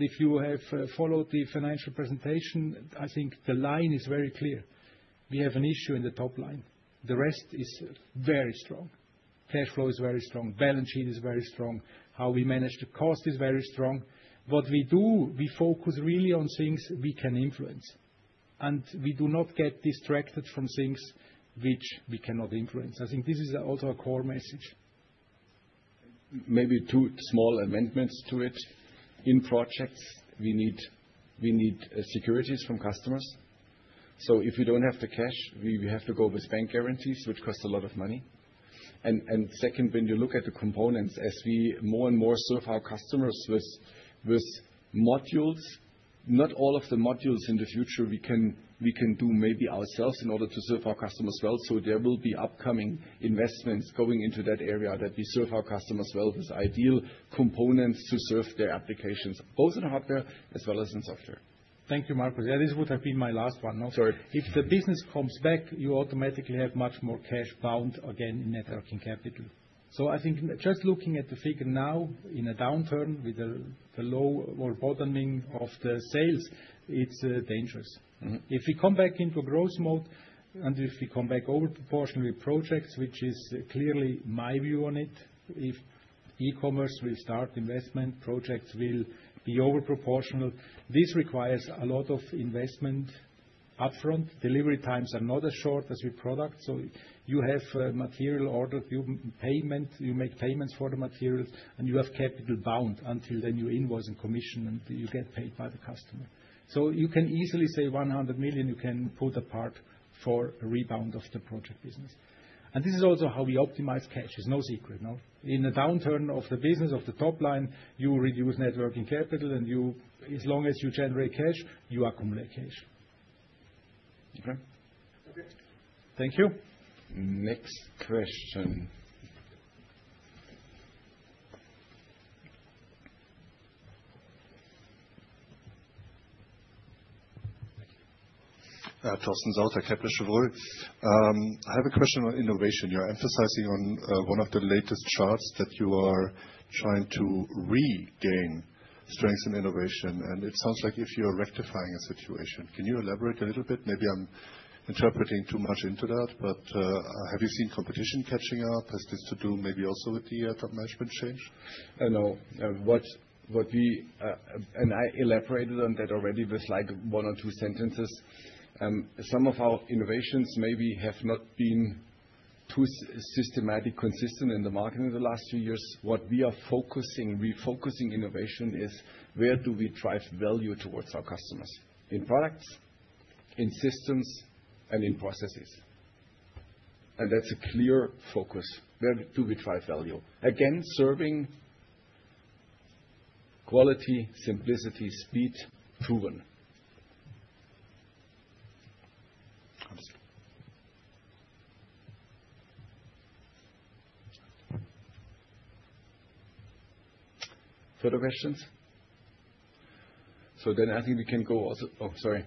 If you have followed the financial presentation, I think the line is very clear. We have an issue in the top line. The rest is very strong. Cash flow is very strong. Balance sheet is very strong. How we manage the cost is very strong. What we do, we focus really on things we can influence. We do not get distracted from things which we cannot influence. I think this is also a core message. Maybe two small amendments to it. In projects, we need securities from customers. If we do not have the cash, we have to go with bank guarantees, which costs a lot of money. Second, when you look at the components, as we more and more serve our customers with modules, not all of the modules in the future we can do maybe ourselves in order to serve our customers well. There will be upcoming investments going into that area that we serve our customers well with ideal components to serve their applications, both in hardware as well as in software. Thank you, Marcus. Yeah, this would have been my last one. Sorry. If the business comes back, you automatically have much more cash bound again in networking capital. I think just looking at the figure now in a downturn with the low or bottoming of the sales, it's dangerous. If we come back into a growth mode and if we come back overproportionally with projects, which is clearly my view on it, if e-commerce will start investment, projects will be overproportional. This requires a lot of investment upfront. Delivery times are not as short as with products. You have material order, you make payments for the materials, and you have capital bound until then you invoice and commission, and you get paid by the customer. You can easily say 100 million you can put apart for a rebound of the project business. This is also how we optimize cash. It's no secret. In a downturn of the business, of the top line, you reduce networking capital, and as long as you generate cash, you accumulate cash. Okay? Okay. Thank you. Next question. Thank you. Torsten Sauter, Kepler Chevreux. I have a question on innovation. You're emphasizing on one of the latest charts that you are trying to regain strength in innovation. It sounds like if you're rectifying a situation. Can you elaborate a little bit? Maybe I'm interpreting too much into that, but have you seen competition catching up? Has this to do maybe also with the top management change? No. I elaborated on that already with one or two sentences. Some of our innovations maybe have not been too systematic, consistent in the market in the last few years. What we are refocusing innovation is where do we drive value towards our customers? In products, in systems, and in processes. That's a clear focus. Where do we drive value? Again, serving quality, simplicity, speed, proven. Further questions? I think we can go also. Oh, sorry.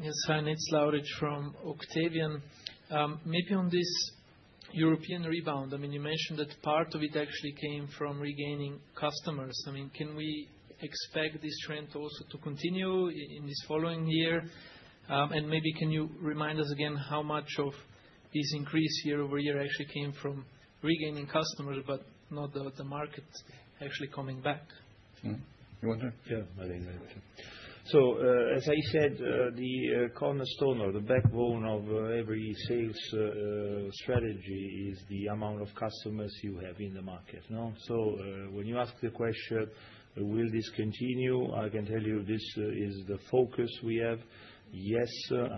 Yes, hi. Nils Laurich from Octavian. Maybe on this European rebound, I mean, you mentioned that part of it actually came from regaining customers. I mean, can we expect this trend also to continue in this following year? Maybe can you remind us again how much of this increase year over year actually came from regaining customers, but not the market actually coming back? You want to? Yeah, my name. As I said, the cornerstone or the backbone of every sales strategy is the amount of customers you have in the market. When you ask the question, will this continue? I can tell you this is the focus we have. Yes.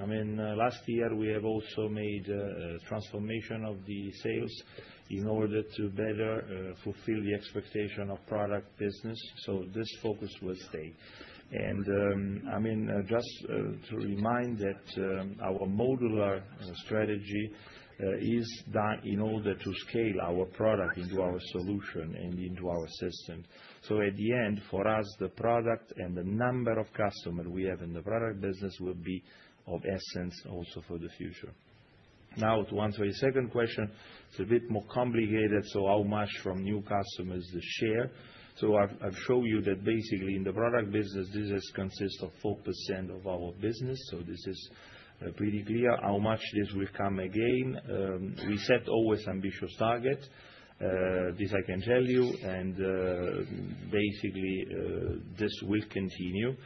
I mean, last year, we have also made a transformation of the sales in order to better fulfill the expectation of product business. This focus will stay. I mean, just to remind that our modular strategy is done in order to scale our product into our solution and into our system. At the end, for us, the product and the number of customers we have in the product business will be of essence also for the future. Now, to answer your second question, it's a bit more complicated. How much from new customers to share? I have shown you that basically in the product business, this consists of 4% of our business. This is pretty clear how much this will come again. We set always ambitious targets. This I can tell you. Basically, this will continue.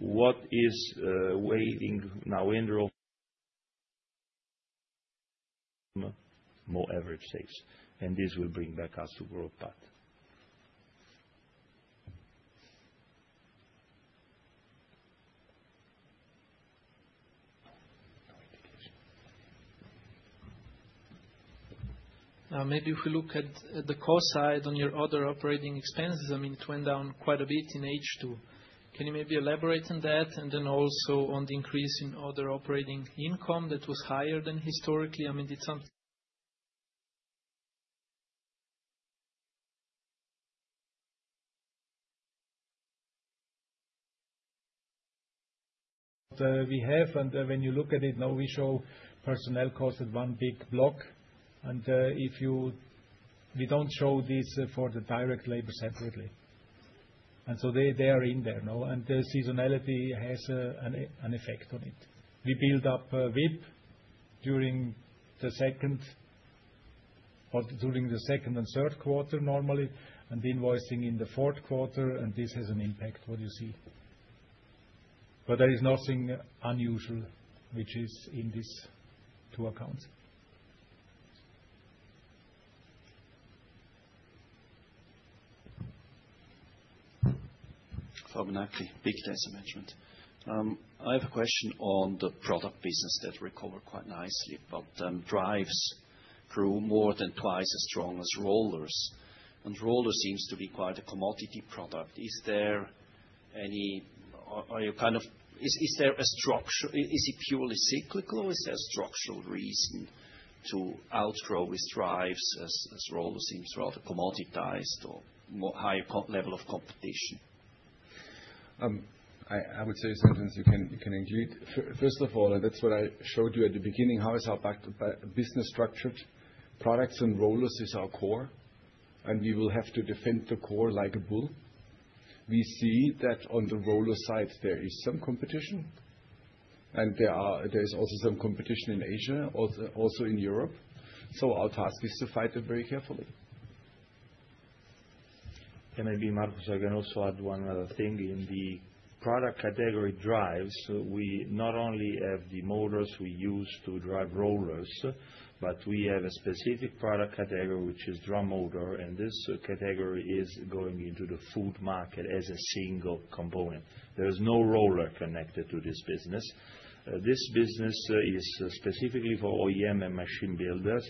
What is waiting now in more average sales. This will bring back us to growth path. Now, maybe if we look at the cost side on your other operating expenses, I mean, it went down quite a bit in H2. Can you maybe elaborate on that? And then also on the increase in other operating income that was higher than historically? I mean, it's something. We have, and when you look at it now, we show personnel cost at one big block. And we don't show this for the direct labor separately. And so they are in there. And the seasonality has an effect on it. We build up WIP during the second and third quarter normally, and invoicing in the fourth quarter, and this has an impact what you see. But there is nothing unusual which is in these two accounts. Fabinacli, big data management. I have a question on the product business that recovered quite nicely, but drives grew more than twice as strong as rollers. And rollers seems to be quite a commodity product. Is there any kind of is there a structural is it purely cyclical, or is there a structural reason to outgrow with drives as rollers seems rather commoditized or higher level of competition? I would say a sentence you can include. First of all, and that's what I showed you at the beginning, how is our business structured? Products and rollers is our core. We will have to defend the core like a bull. We see that on the rollers side, there is some competition. There is also some competition in Asia, also in Europe. Our task is to fight it very carefully. Maybe, Marcus, I can also add one other thing. In the product category drives, we not only have the motors we use to drive rollers, but we have a specific product category which is drum motor. This category is going into the food market as a single component. There is no roller connected to this business. This business is specifically for OEM and machine builders.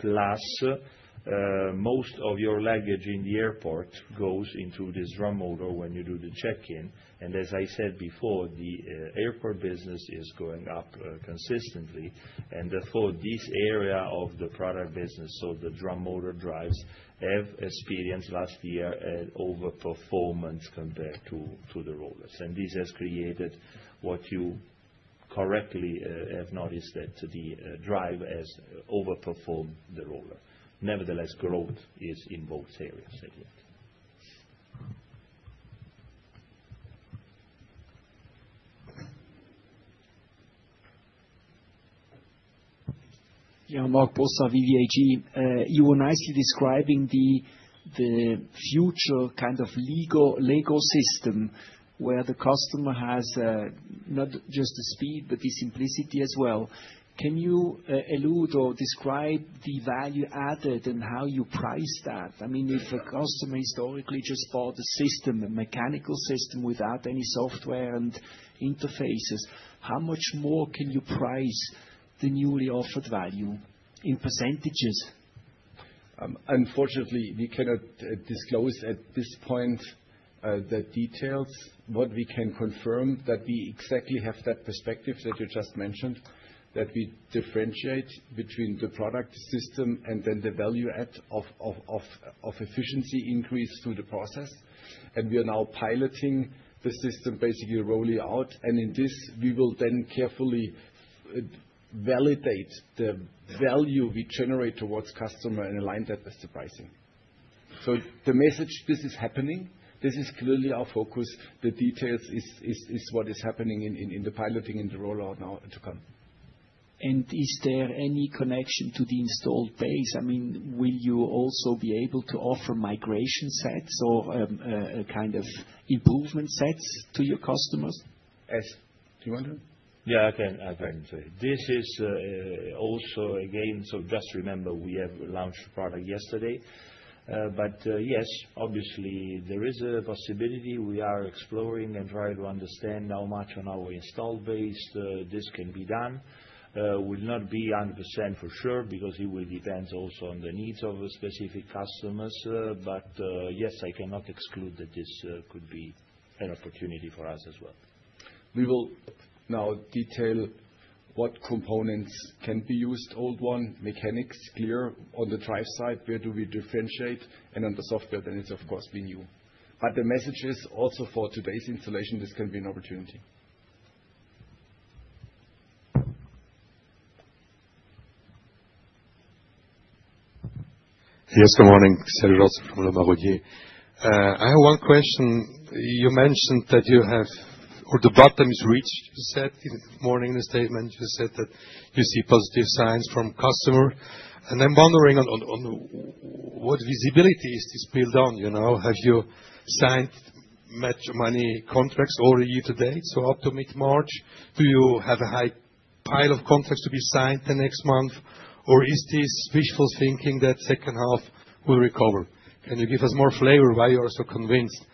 Plus, most of your luggage in the airport goes into this drum motor when you do the check-in. As I said before, the airport business is going up consistently. For this area of the product business, so the drum motor drives, have experienced last year overperformance compared to the rollers. This has created what you correctly have noticed that the drive has overperformed the roller. Nevertheless, growth is in both areas at it. Yeah, Marc possa, VVAG, you were nicely describing the future kind of legal system where the customer has not just the speed, but the simplicity as well. Can you allude or describe the value added and how you price that? I mean, if a customer historically just bought a system, a mechanical system without any software and interfaces, how much more can you price the newly offered value in %? Unfortunately, we cannot disclose at this point the details. What we can confirm, that we exactly have that perspective that you just mentioned, that we differentiate between the product system and then the value add of efficiency increase through the process. We are now piloting the system basically rolling out. In this, we will then carefully validate the value we generate towards customer and align that with the pricing. The message, this is happening. This is clearly our focus. The details is what is happening in the piloting and the rollout now to come. Is there any connection to the installed base? I mean, will you also be able to offer migration sets or kind of improvement sets to your customers? Yes. Do you want to? Yeah, I can say. This is also again, so just remember, we have launched the product yesterday. Yes, obviously, there is a possibility. We are exploring and trying to understand how much on our installed base this can be done. Will not be 100% for sure because it will depend also on the needs of specific customers. Yes, I cannot exclude that this could be an opportunity for us as well. We will now detail what components can be used, old one, mechanics, clear on the drive side, where do we differentiate, and on the software, then it's of course been you. The message is also for today's installation, this can be an opportunity. Yes, good morning. Sergey Rots from Le Maroiller. I have one question. You mentioned that you have or the bottom is reached, you said this morning in a statement. You said that you see positive signs from customers. I am wondering on what visibility is this built on? Have you signed much money contracts already to date? Up to mid-March, do you have a high pile of contracts to be signed the next month? Is this wishful thinking that second half will recover? Can you give us more flavor why you are so convinced?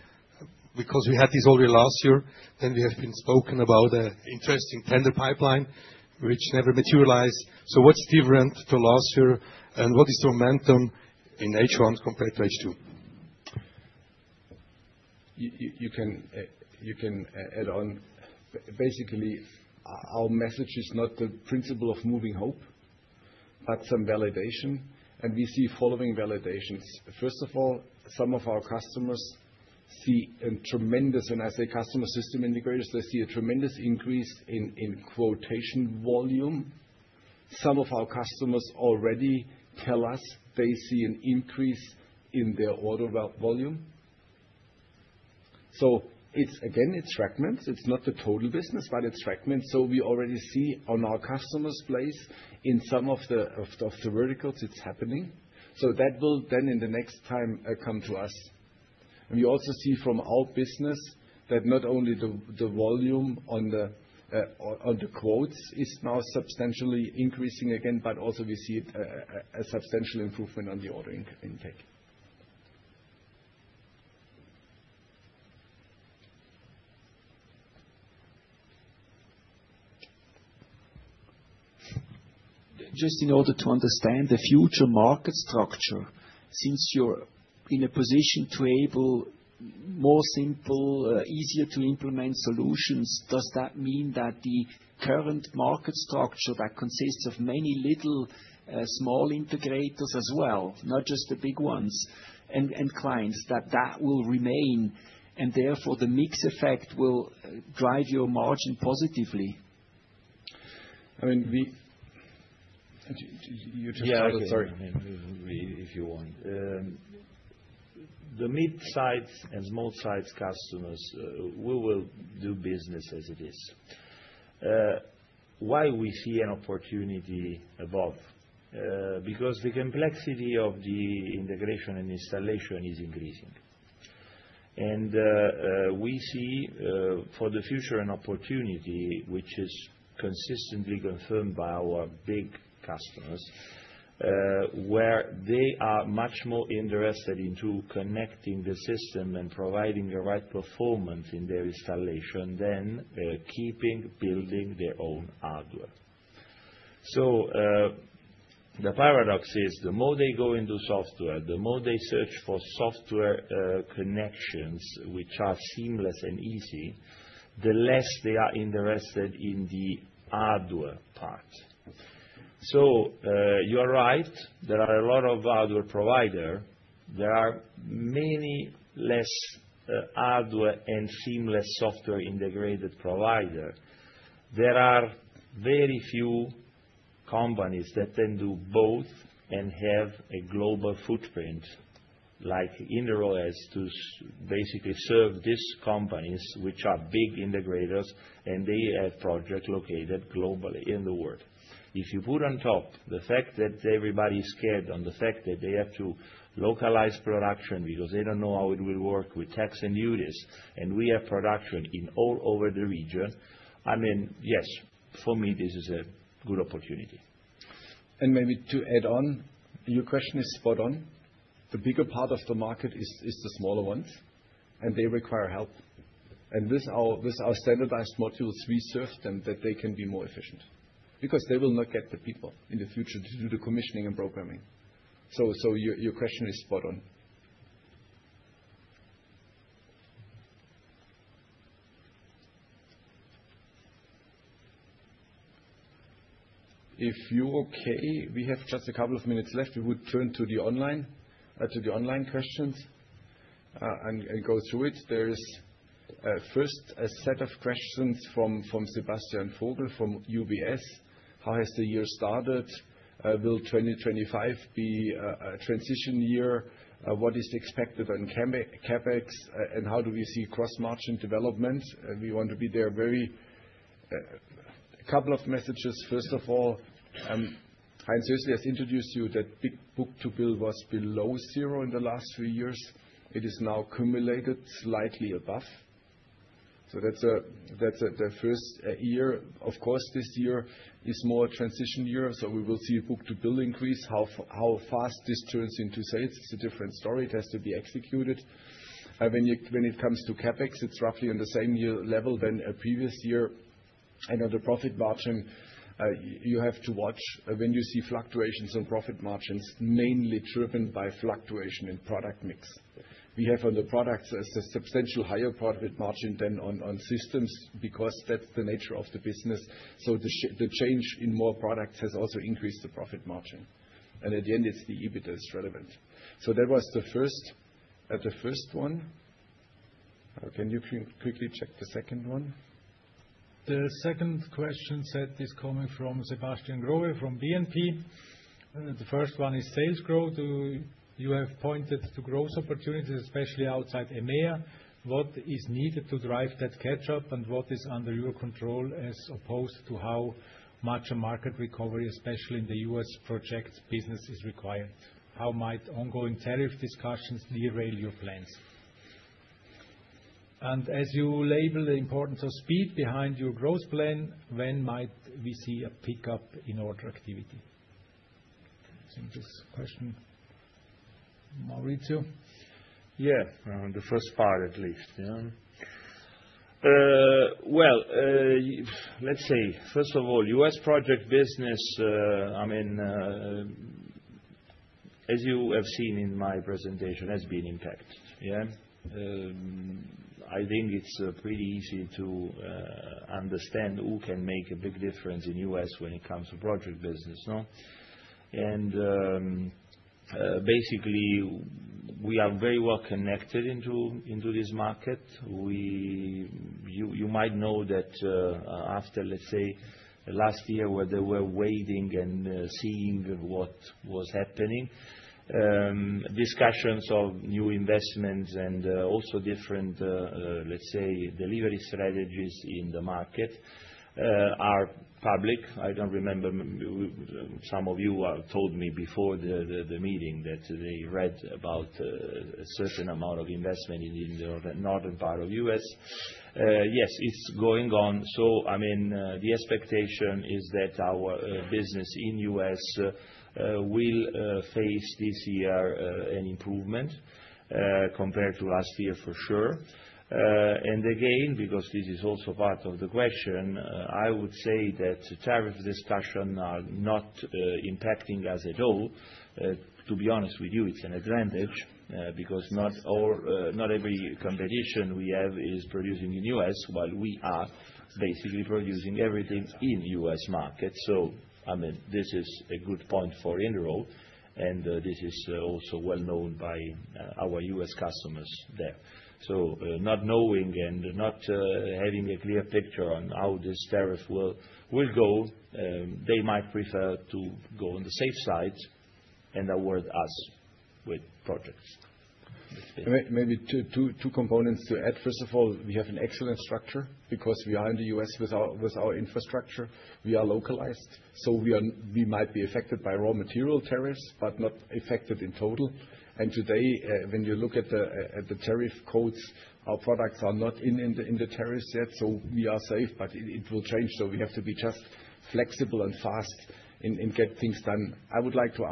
Because we had this already last year, we have been spoken about an interesting tender pipeline which never materialized. What's different to last year? What is the momentum in H1 compared to H2? You can add on. Basically, our message is not the principle of moving hope, but some validation. We see following validations. First of all, some of our customers see a tremendous—and I say customer system integrators—they see a tremendous increase in quotation volume. Some of our customers already tell us they see an increase in their order volume. Again, it's fragments. It's not the total business, but it's fragments. We already see on our customers' place in some of the verticals it's happening. That will then in the next time come to us. We also see from our business that not only the volume on the quotes is now substantially increasing again, but also we see a substantial improvement on the ordering intake. Just in order to understand the future market structure, since you're in a position to enable more simple, easier-to-implement solutions, does that mean that the current market structure that consists of many little small integrators as well, not just the big ones and clients, that that will remain and therefore the mix effect will drive your margin positively? I mean, you just said. Yeah, sorry. If you want. The mid-size and small-size customers, we will do business as it is. Why we see an opportunity above? Because the complexity of the integration and installation is increasing. We see for the future an opportunity which is consistently confirmed by our big customers where they are much more interested in connecting the system and providing the right performance in their installation than keeping building their own hardware. The paradox is the more they go into software, the more they search for software connections which are seamless and easy, the less they are interested in the hardware part. You're right. There are a lot of hardware providers. There are many less hardware and seamless software integrated providers. There are very few companies that can do both and have a global footprint like Interroll to basically serve these companies which are big integrators and they have projects located globally in the world. If you put on top the fact that everybody is scared on the fact that they have to localize production because they do not know how it will work with tax and duties and we have production all over the region, I mean, yes, for me, this is a good opportunity. Maybe to add on, your question is spot on. The bigger part of the market is the smaller ones, and they require help. With our standardized modules, we serve them that they can be more efficient because they will not get the people in the future to do the commissioning and programming. Your question is spot on. If you are okay, we have just a couple of minutes left. We would turn to the online questions and go through it. There is first a set of questions from Sebastian Vogel from UBS. How has the year started? Will 2025 be a transition year? What is expected on CapEx? And how do we see cross-margin development? We want to be there very a couple of messages. First of all, Heinz Hössli has introduced you that big book to bill was below zero in the last three years. It is now cumulated slightly above. So that's the first year. Of course, this year is more a transition year, so we will see book to bill increase. How fast this turns into sales is a different story. It has to be executed. When it comes to CapEx, it's roughly on the same level than a previous year. And on the profit margin, you have to watch when you see fluctuations on profit margins, mainly driven by fluctuation in product mix. We have on the products a substantial higher profit margin than on systems because that's the nature of the business. The change in more products has also increased the profit margin. At the end, it's the EBITDA that's relevant. That was the first one. Can you quickly check the second one? The second question set is coming from Sebastian Grohe from BNP. The first one is sales growth. You have pointed to growth opportunities, especially outside EMEA. What is needed to drive that catch-up, and what is under your control as opposed to how much a market recovery, especially in the US, projects business is required? How might ongoing tariff discussions derail your plans? As you label the importance of speed behind your growth plan, when might we see a pickup in order activity? This question, Maurizio. Yeah, the first part at least. First of all, US project business, I mean, as you have seen in my presentation, has been impacted. Yeah? I think it's pretty easy to understand who can make a big difference in the U.S. when it comes to project business, no? Basically, we are very well connected into this market. You might know that after, let's say, last year, where they were waiting and seeing what was happening, discussions of new investments and also different, let's say, delivery strategies in the market are public. I don't remember. Some of you told me before the meeting that they read about a certain amount of investment in the northern part of the U.S. Yes, it's going on. I mean, the expectation is that our business in the U.S. will face this year an improvement compared to last year, for sure. Again, because this is also part of the question, I would say that tariff discussions are not impacting us at all. To be honest with you, it's an advantage because not every competition we have is producing in the US, while we are basically producing everything in the US market. I mean, this is a good point for Interroll, and this is also well known by our US customers there. Not knowing and not having a clear picture on how this tariff will go, they might prefer to go on the safe side and award us with projects. Maybe two components to add. First of all, we have an excellent structure because we are in the US with our infrastructure. We are localized. We might be affected by raw material tariffs, but not affected in total. Today, when you look at the tariff codes, our products are not in the tariffs yet, so we are safe, but it will change. We have to be just flexible and fast in getting things done. I would like to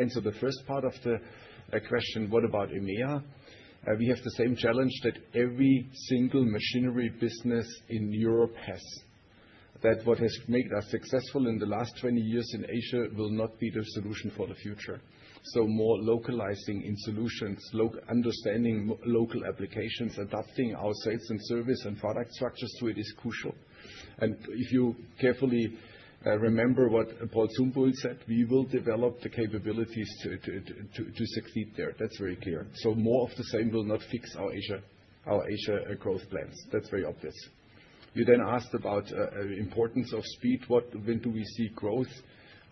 answer the first part of the question, what about EMEA? We have the same challenge that every single machinery business in Europe has. What has made us successful in the last 20 years in Asia will not be the solution for the future. More localizing in solutions, understanding local applications, adapting our sales and service and product structures to it is crucial. If you carefully remember what Paul Zumbühl said, we will develop the capabilities to succeed there. That is very clear. More of the same will not fix our Asia growth plans. That is very obvious. You then asked about the importance of speed. When do we see growth?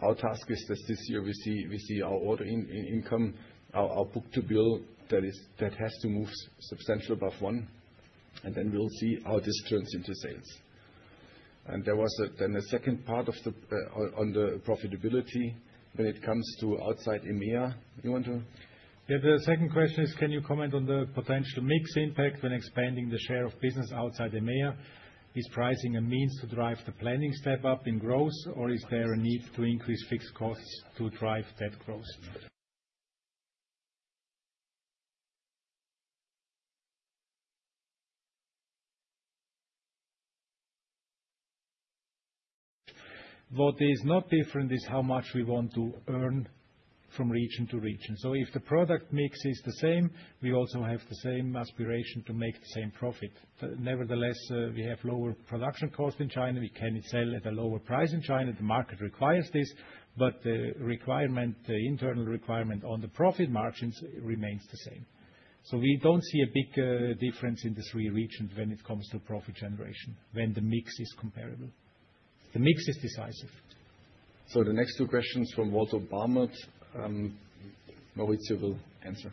Our task is that this year we see our order income, our book to bill that has to move substantially above one. We'll see how this turns into sales. There was then a second part on the profitability when it comes to outside EMEA. You want to? Yeah, the second question is, can you comment on the potential mix impact when expanding the share of business outside EMEA? Is pricing a means to drive the planning step up in growth, or is there a need to increase fixed costs to drive that growth? What is not different is how much we want to earn from region to region. If the product mix is the same, we also have the same aspiration to make the same profit. Nevertheless, we have lower production costs in China. We can sell at a lower price in China. The market requires this, but the internal requirement on the profit margins remains the same. We do not see a big difference in the three regions when it comes to profit generation, when the mix is comparable. The mix is decisive. The next two questions from Walter Barmet, Maurizio will answer.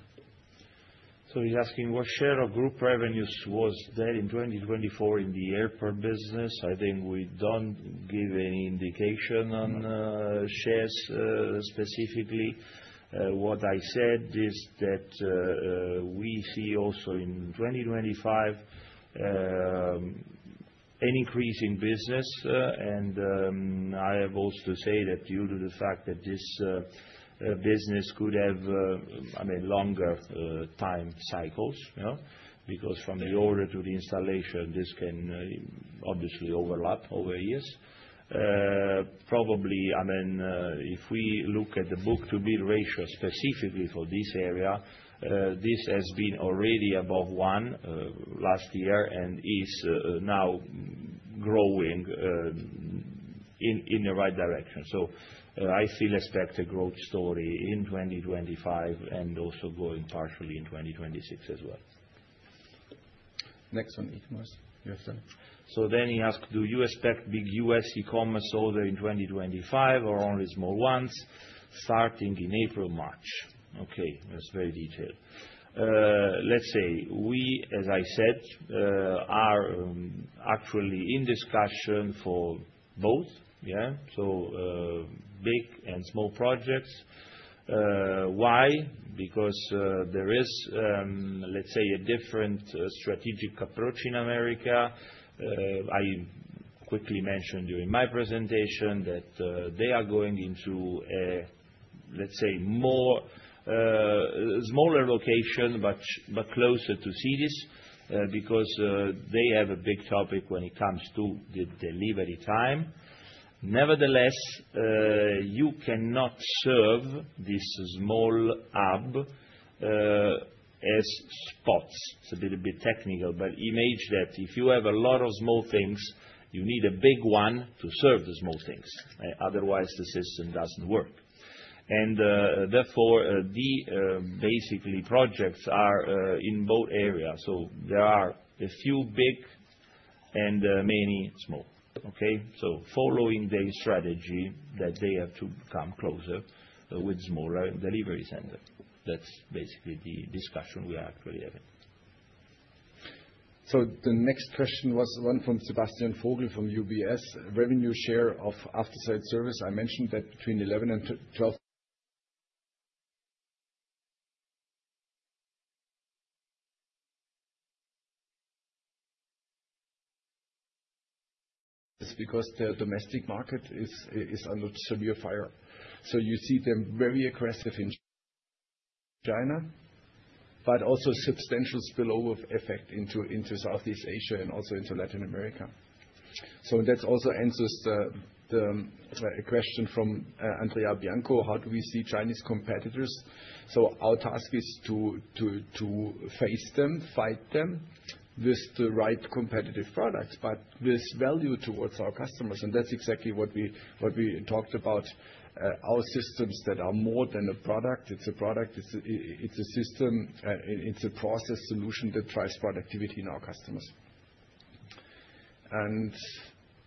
He is asking what share of group revenues was there in 2024 in the airport business. I think we do not give any indication on shares specifically. What I said is that we see also in 2025 an increase in business. I have also to say that due to the fact that this business could have, I mean, longer time cycles because from the order to the installation, this can obviously overlap over years. Probably, I mean, if we look at the book to bill ratio specifically for this area, this has been already above one last year and is now growing in the right direction. I still expect a growth story in 2025 and also going partially in 2026 as well. Next one, Ichmars, you have time. He asked, do you expect big US e-commerce order in 2025 or only small ones starting in April, March? Okay, that's very detailed. Let's say we, as I said, are actually in discussion for both, yeah? Big and small projects. Why? There is, let's say, a different strategic approach in America. I quickly mentioned during my presentation that they are going into, let's say, smaller locations but closer to cities because they have a big topic when it comes to the delivery time. Nevertheless, you cannot serve this small hub as spots. It's a bit technical, but imagine that if you have a lot of small things, you need a big one to serve the small things. Otherwise, the system doesn't work. Therefore, basically, projects are in both areas. There are a few big and many small. Okay? Following the strategy that they have to come closer with smaller delivery centers. That's basically the discussion we are actually having. The next question was one from Sebastian Vogel from UBS. Revenue share of after-sales service. I mentioned that between 11% and 12%. It's because the domestic market is under severe fire. You see them very aggressive in China, but also substantial spillover effect into Southeast Asia and also into Latin America. That also answers the question from Andrea Bianco, how do we see Chinese competitors? Our task is to face them, fight them with the right competitive products, but with value towards our customers. That is exactly what we talked about. Our systems are more than a product. It is a product. It is a system. It is a process solution that drives productivity in our customers.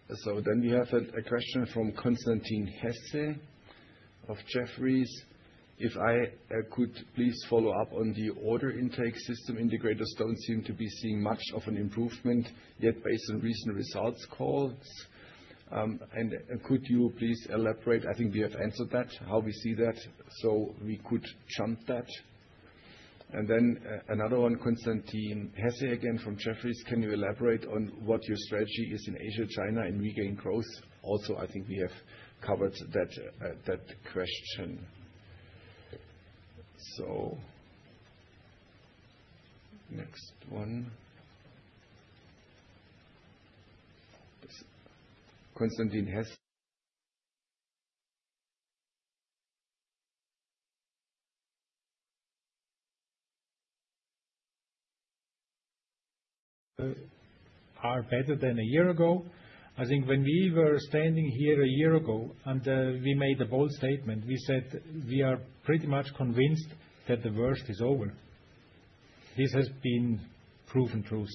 We have a question from Constantine Hesse of Jeffreys. If I could please follow up on the order intake, system integrators do not seem to be seeing much of an improvement yet based on recent results calls. Could you please elaborate? I think we have answered that, how we see that, so we could jump that. Another one, Constantine Hesse again from Jeffreys. Can you elaborate on what your strategy is in Asia, China, and regain growth? Also, I think we have covered that question. Next one. Constantine Hesse. Are better than a year ago. I think when we were standing here a year ago, and we made a bold statement, we said we are pretty much convinced that the worst is over. This has been proven true.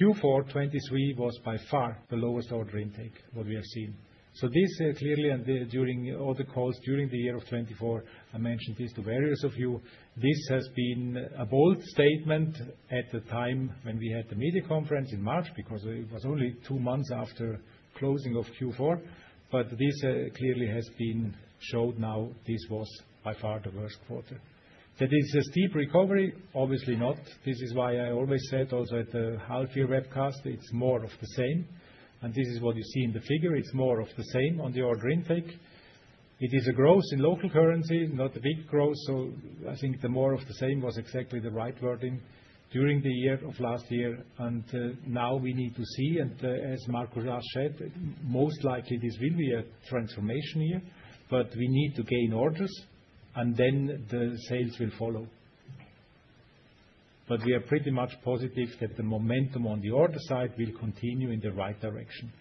Q4 2023 was by far the lowest order intake we have seen. This clearly, and during all the calls during the year of 2024, I mentioned this to various of you. This has been a bold statement at the time when we had the media conference in March because it was only two months after closing of Q4. This clearly has been shown now this was by far the worst quarter. That is a steep recovery? Obviously not. This is why I always said also at the Half-Year Webcast, it's more of the same. This is what you see in the figure. is more of the same on the order intake. It is a growth in local currency, not a big growth. I think the more of the same was exactly the right wording during the year of last year. Now we need to see, and as Markus has said, most likely this will be a transformation year, but we need to gain orders, and then the sales will follow. We are pretty much positive that the momentum on the order side will continue in the right direction.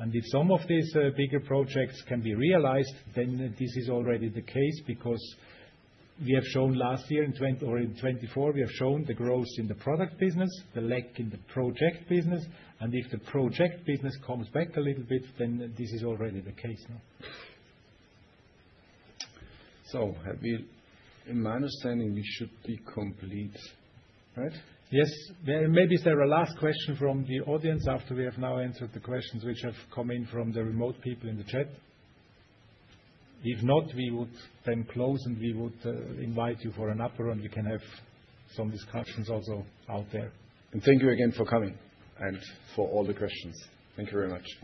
If some of these bigger projects can be realized, then this is already the case because we have shown last year or in 2024, we have shown the growth in the product business, the lack in the project business. If the project business comes back a little bit, then this is already the case. In my understanding, we should be complete, right? Yes. Maybe there are last questions from the audience after we have now answered the questions which have come in from the remote people in the chat. If not, we would then close and we would invite you for an upper and we can have some discussions also out there. Thank you again for coming and for all the questions. Thank you very much.